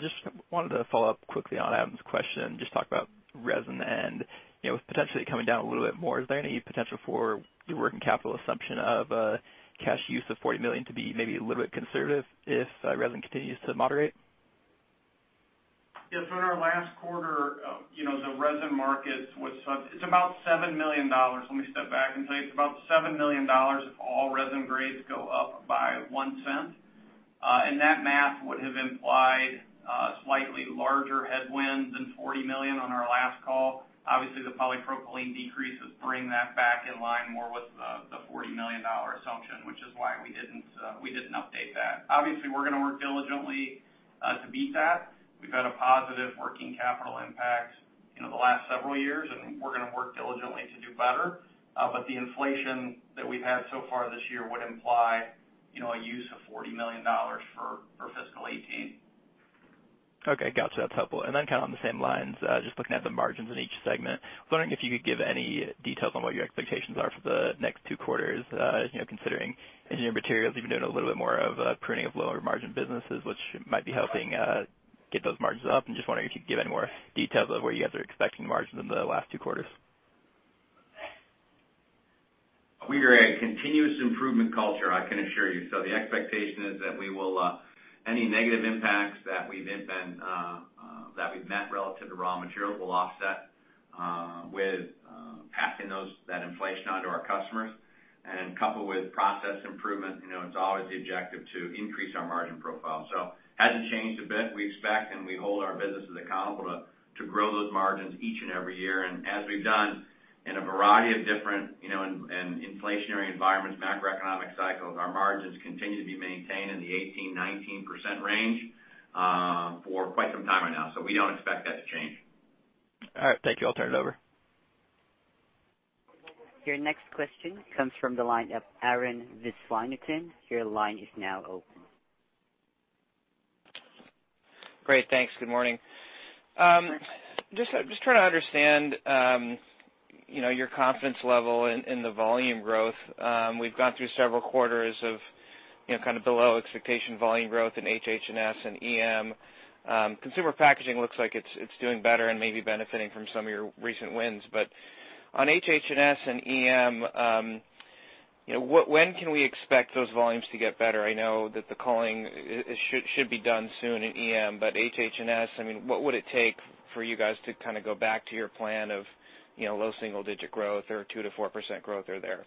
[SPEAKER 12] Just wanted to follow up quickly on Adam's question, just talk about resin and with potentially coming down a little bit more, is there any potential for your working capital assumption of cash use of $40 million to be maybe a little bit conservative if resin continues to moderate?
[SPEAKER 3] Yeah. In our last quarter, the resin market was about $7 million. Let me step back and tell you it's about $7 million if all resin grades go up by $0.01. That math would have implied a slightly larger headwind than $40 million on our last call. Obviously, the polypropylene decreases bring that back in line more with the $40 million assumption, which is why we didn't update that. Obviously, we're going to work diligently to beat that. We've had a positive working capital impact the last several years, and we're going to work diligently to do better. The inflation that we've had so far this year would imply a use of $40 million for fiscal 2018.
[SPEAKER 12] Okay. Got you. That's helpful. On the same lines, just looking at the margins in each segment, I was wondering if you could give any details on what your expectations are for the next two quarters considering Engineered Materials, even doing a little bit more of a pruning of lower margin businesses, which might be helping get those margins up, and just wondering if you could give any more details of where you guys are expecting the margins in the last two quarters.
[SPEAKER 3] We are a continuous improvement culture, I can assure you. The expectation is that any negative impacts that we've met relative to raw materials, we'll offset with passing that inflation on to our customers and coupled with process improvement, it's always the objective to increase our margin profile. Hasn't changed a bit. We expect, and we hold our businesses accountable to grow those margins each and every year. As we've done in a variety of different inflationary environments, macroeconomic cycles, our margins continue to be maintained in the 18%-19% range for quite some time right now. We don't expect that to change.
[SPEAKER 12] All right. Thank you. I'll turn it over.
[SPEAKER 1] Your next question comes from the line of Arun Viswanathan. Your line is now open.
[SPEAKER 13] Great. Thanks. Good morning. Just trying to understand your confidence level in the volume growth. We've gone through several quarters of below expectation volume growth in HH&S and EM. Consumer Packaging looks like it's doing better and maybe benefiting from some of your recent wins. On HH&S and EM when can we expect those volumes to get better? I know that the culling should be done soon in EM, but HH&S, what would it take for you guys to go back to your plan of low single digit growth or 2%-4% growth or there?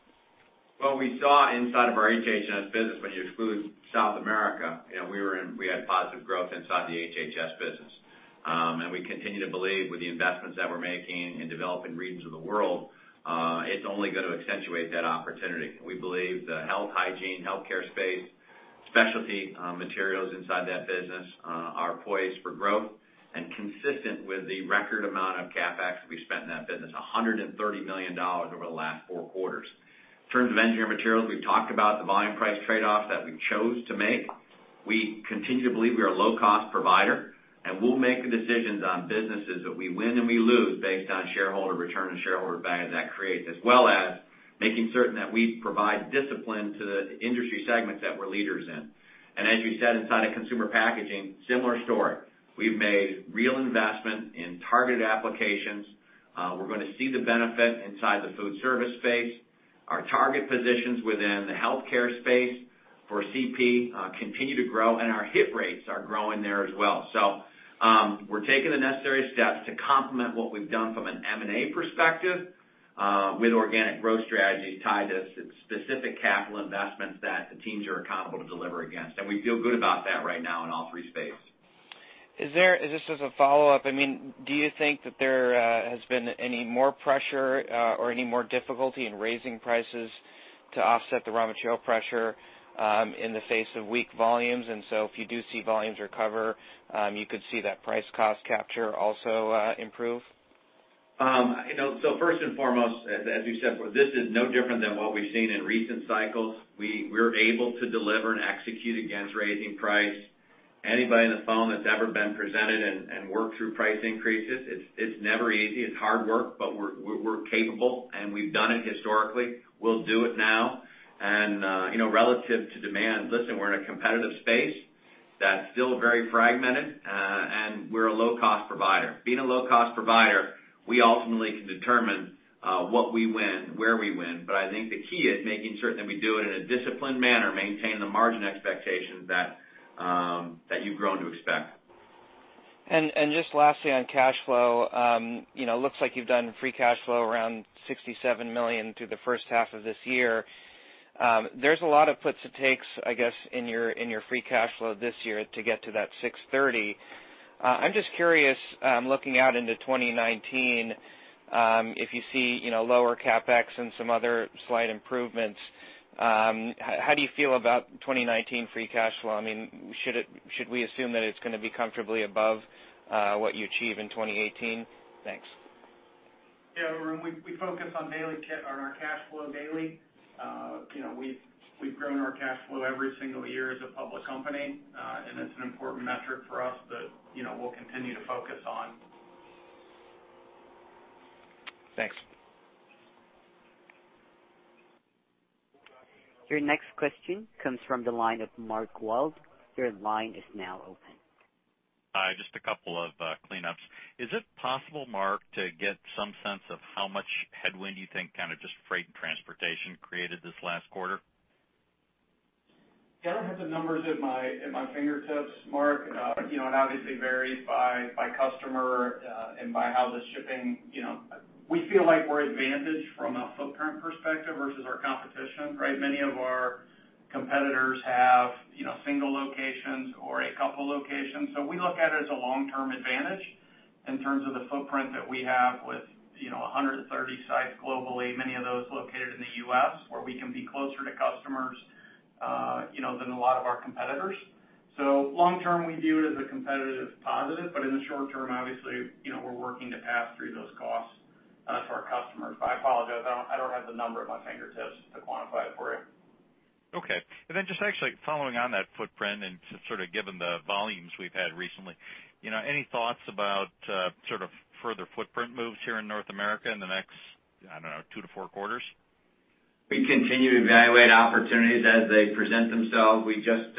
[SPEAKER 3] Well, we saw inside of our HH&S business, when you exclude South America, we had positive growth inside the HH&S business. We continue to believe with the investments that we're making in developing regions of the world it's only going to accentuate that opportunity. We believe the health, hygiene, healthcare space, specialty materials inside that business are poised for growth and consistent with the record amount of CapEx we've spent in that business, $130 million over the last four quarters. In terms of Engineered Materials, we've talked about the volume price trade-offs that we chose to make. We continue to believe we are a low-cost provider, and we'll make the decisions on businesses that we win and we lose based on shareholder return and shareholder value that creates as well as making certain that we provide discipline to the industry segments that we're leaders in. As you said, inside of Consumer Packaging, similar story. We've made real investment in targeted applications. We're going to see the benefit inside the food service space. Our target positions within the healthcare space for CP continue to grow, and our hit rates are growing there as well. We're taking the necessary steps to complement what we've done from an M&A perspective with organic growth strategies tied to specific capital investments that the teams are accountable to deliver against. We feel good about that right now in all three spaces.
[SPEAKER 13] Is this as a follow-up? Do you think that there has been any more pressure or any more difficulty in raising prices to offset the raw material pressure in the face of weak volumes? If you do see volumes recover, you could see that price cost capture also improve?
[SPEAKER 3] First and foremost, as you said, this is no different than what we've seen in recent cycles. We're able to deliver and execute against raising price. Anybody on the phone that's ever been presented and worked through price increases, it's never easy. It's hard work, but we're capable, and we've done it historically. We'll do it now. Relative to demand, listen, we're in a competitive space that's still very fragmented, and we're a low-cost provider. Being a low-cost provider, we ultimately can determine what we win, where we win. I think the key is making certain that we do it in a disciplined manner, maintain the margin expectations that you've grown to expect.
[SPEAKER 13] Just lastly, on cash flow. Looks like you've done free cash flow around $67 million through the first half of this year. There's a lot of puts it takes, I guess, in your free cash flow this year to get to that $630. I'm just curious, looking out into 2019, if you see lower CapEx and some other slight improvements, how do you feel about 2019 free cash flow? Should we assume that it's going to be comfortably above what you achieve in 2018? Thanks.
[SPEAKER 4] Yeah, Arun. We focus on our cash flow daily. We've grown our cash flow every single year as a public company. It's an important metric for us that we'll continue to focus on.
[SPEAKER 13] Thanks.
[SPEAKER 1] Your next question comes from the line of Mark Wilde. Your line is now open.
[SPEAKER 14] Hi, just a couple of cleanups. Is it possible, Mark, to get some sense of how much headwind you think just freight and transportation created this last quarter?
[SPEAKER 4] Yeah, I don't have the numbers at my fingertips, Mark. It obviously varies by customer. We feel like we're advantaged from a footprint perspective versus our competition. Right? Many of our competitors have single locations or a couple locations. We look at it as a long-term advantage in terms of the footprint that we have with 130 sites globally, many of those located in the U.S., where we can be closer to customers than a lot of our competitors. Long term, we view it as a competitive positive, but in the short term, obviously, we're working to pass through those costs to our customers. I apologize, I don't have the number at my fingertips to quantify it for you.
[SPEAKER 14] Okay. Just actually following on that footprint and just sort of given the volumes we've had recently, any thoughts about sort of further footprint moves here in North America in the next, I don't know, two to four quarters?
[SPEAKER 3] We continue to evaluate opportunities as they present themselves. We just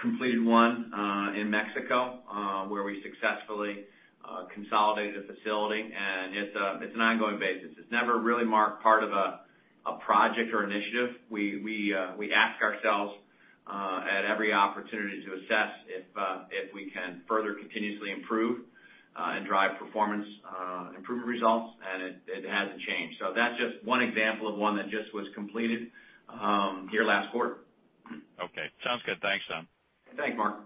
[SPEAKER 3] completed one in Mexico, where we successfully consolidated a facility. It's an ongoing basis. It's never really, Mark, part of a project or initiative. We ask ourselves at every opportunity to assess if we can further continuously improve and drive performance improvement results. It hasn't changed. That's just one example of one that just was completed here last quarter.
[SPEAKER 14] Okay. Sounds good. Thanks, Tom.
[SPEAKER 4] Thanks, Mark.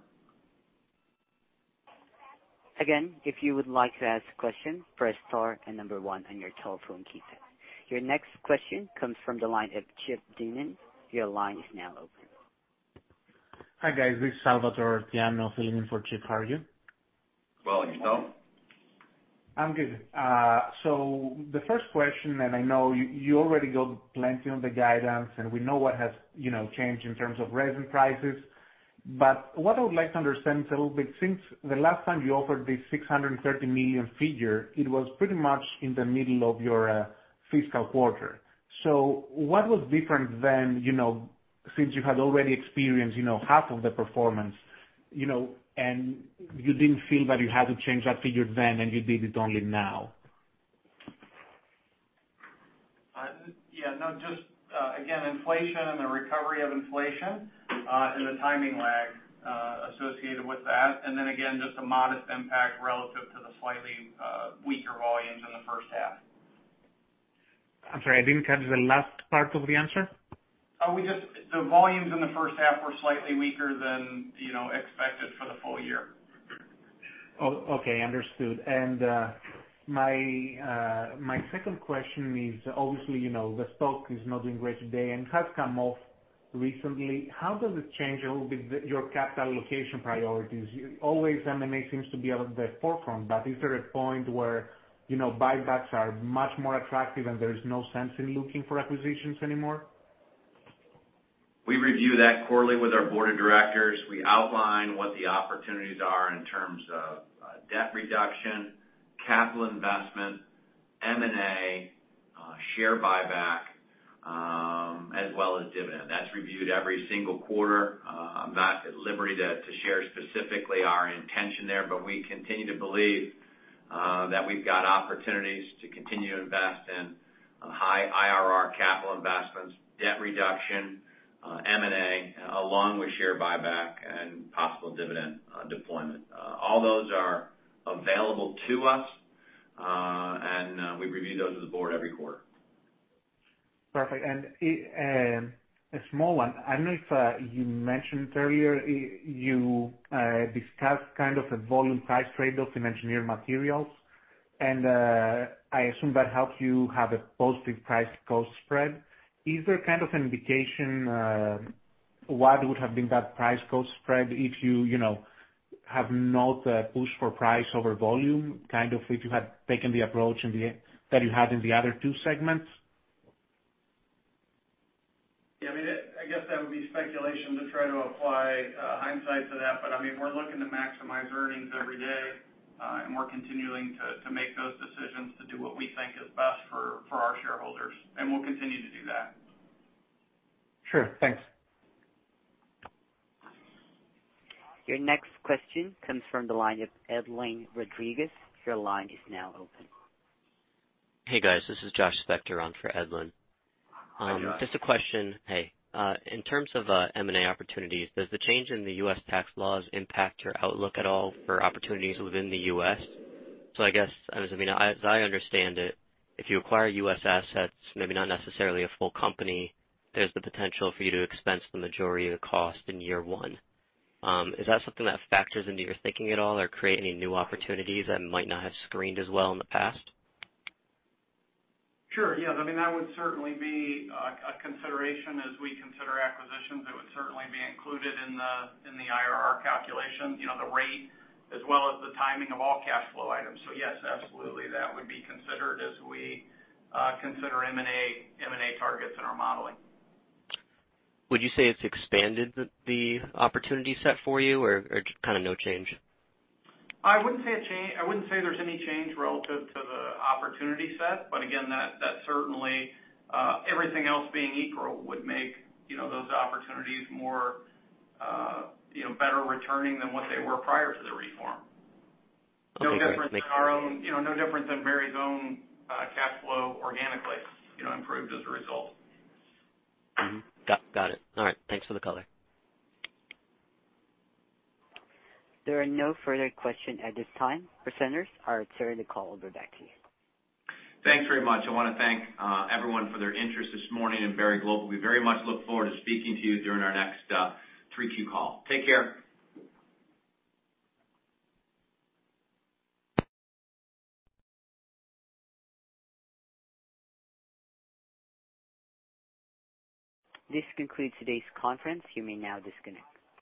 [SPEAKER 1] If you would like to ask a question, press star and one on your telephone keypad. Your next question comes from the line of Chip Dillon. Your line is now open.
[SPEAKER 15] Hi, guys. This is Salvatore Artiano filling in for Chip. How are you?
[SPEAKER 3] Well, yourself?
[SPEAKER 15] I'm good. The first question, and I know you already got plenty on the guidance, and we know what has changed in terms of raising prices. What I would like to understand a little bit, since the last time you offered the $630 million figure, it was pretty much in the middle of your fiscal quarter. What was different then, since you had already experienced half of the performance, and you didn't feel that you had to change that figure then, and you did it only now?
[SPEAKER 4] Yeah. No, just again, inflation and the recovery of inflation, and the timing lag associated with that. Then again, just a modest impact relative to the slightly weaker volumes in the first half.
[SPEAKER 15] I'm sorry, I didn't catch the last part of the answer.
[SPEAKER 4] The volumes in the first half were slightly weaker than expected for the full year.
[SPEAKER 15] Oh, okay. Understood. My second question is, obviously, the stock is not doing great today and has come off recently. How does it change a little bit your capital allocation priorities? Always M&A seems to be out of the forefront, but is there a point where buybacks are much more attractive, and there is no sense in looking for acquisitions anymore?
[SPEAKER 3] We review that quarterly with our board of directors. We outline what the opportunities are in terms of debt reduction, capital investment, M&A, share buyback, as well as dividend. That's reviewed every single quarter. I'm not at liberty to share specifically our intention there, but we continue to believe that we've got opportunities to continue to invest in high IRR capital investments, debt reduction, M&A, along with share buyback and possible dividend deployment. All those are available to us, and we review those with the board every quarter.
[SPEAKER 15] Perfect. A small one. I don't know if you mentioned it earlier, you discussed kind of a volume price trade-off in Engineered Materials, and I assume that helps you have a positive price cost spread. Is there kind of an indication what would have been that price cost spread if you have not pushed for price over volume, kind of if you had taken the approach that you had in the other two segments?
[SPEAKER 4] Yeah. I guess that would be speculation to try to apply hindsight to that. We're looking to maximize earnings every day, and we're continuing to make those decisions to do what we think is best for our shareholders, and we'll continue to do that.
[SPEAKER 15] Sure. Thanks.
[SPEAKER 1] Your next question comes from the line of Edlain Rodriguez. Your line is now open.
[SPEAKER 16] Hey, guys, this is Joshua Spector on for Edlain.
[SPEAKER 4] Hi, Josh.
[SPEAKER 16] Just a question. Hey. In terms of M&A opportunities, does the change in the U.S. tax laws impact your outlook at all for opportunities within the U.S.? I guess, as I understand it, if you acquire U.S. assets, maybe not necessarily a full company, there's the potential for you to expense the majority of the cost in year one. Is that something that factors into your thinking at all or create any new opportunities that might not have screened as well in the past?
[SPEAKER 4] Sure. Yes. That would certainly be a consideration as we consider acquisitions. It would certainly be included in the IRR calculation, the rate as well as the timing of all cash flow items. Yes, absolutely. That would be considered as we consider M&A targets in our modeling.
[SPEAKER 16] Would you say it's expanded the opportunity set for you or kind of no change?
[SPEAKER 4] I wouldn't say there's any change relative to the opportunity set, but again, that certainly, everything else being equal, would make those opportunities more better returning than what they were prior to the reform.
[SPEAKER 16] Okay.
[SPEAKER 4] No difference in Berry's own cash flow organically improved as a result.
[SPEAKER 16] Got it. All right. Thanks for the color.
[SPEAKER 1] There are no further question at this time. Presenters, I turn the call over back to you.
[SPEAKER 4] Thanks very much. I want to thank everyone for their interest this morning in Berry Global. We very much look forward to speaking to you during our next 3Q call. Take care.
[SPEAKER 1] This concludes today's conference. You may now disconnect.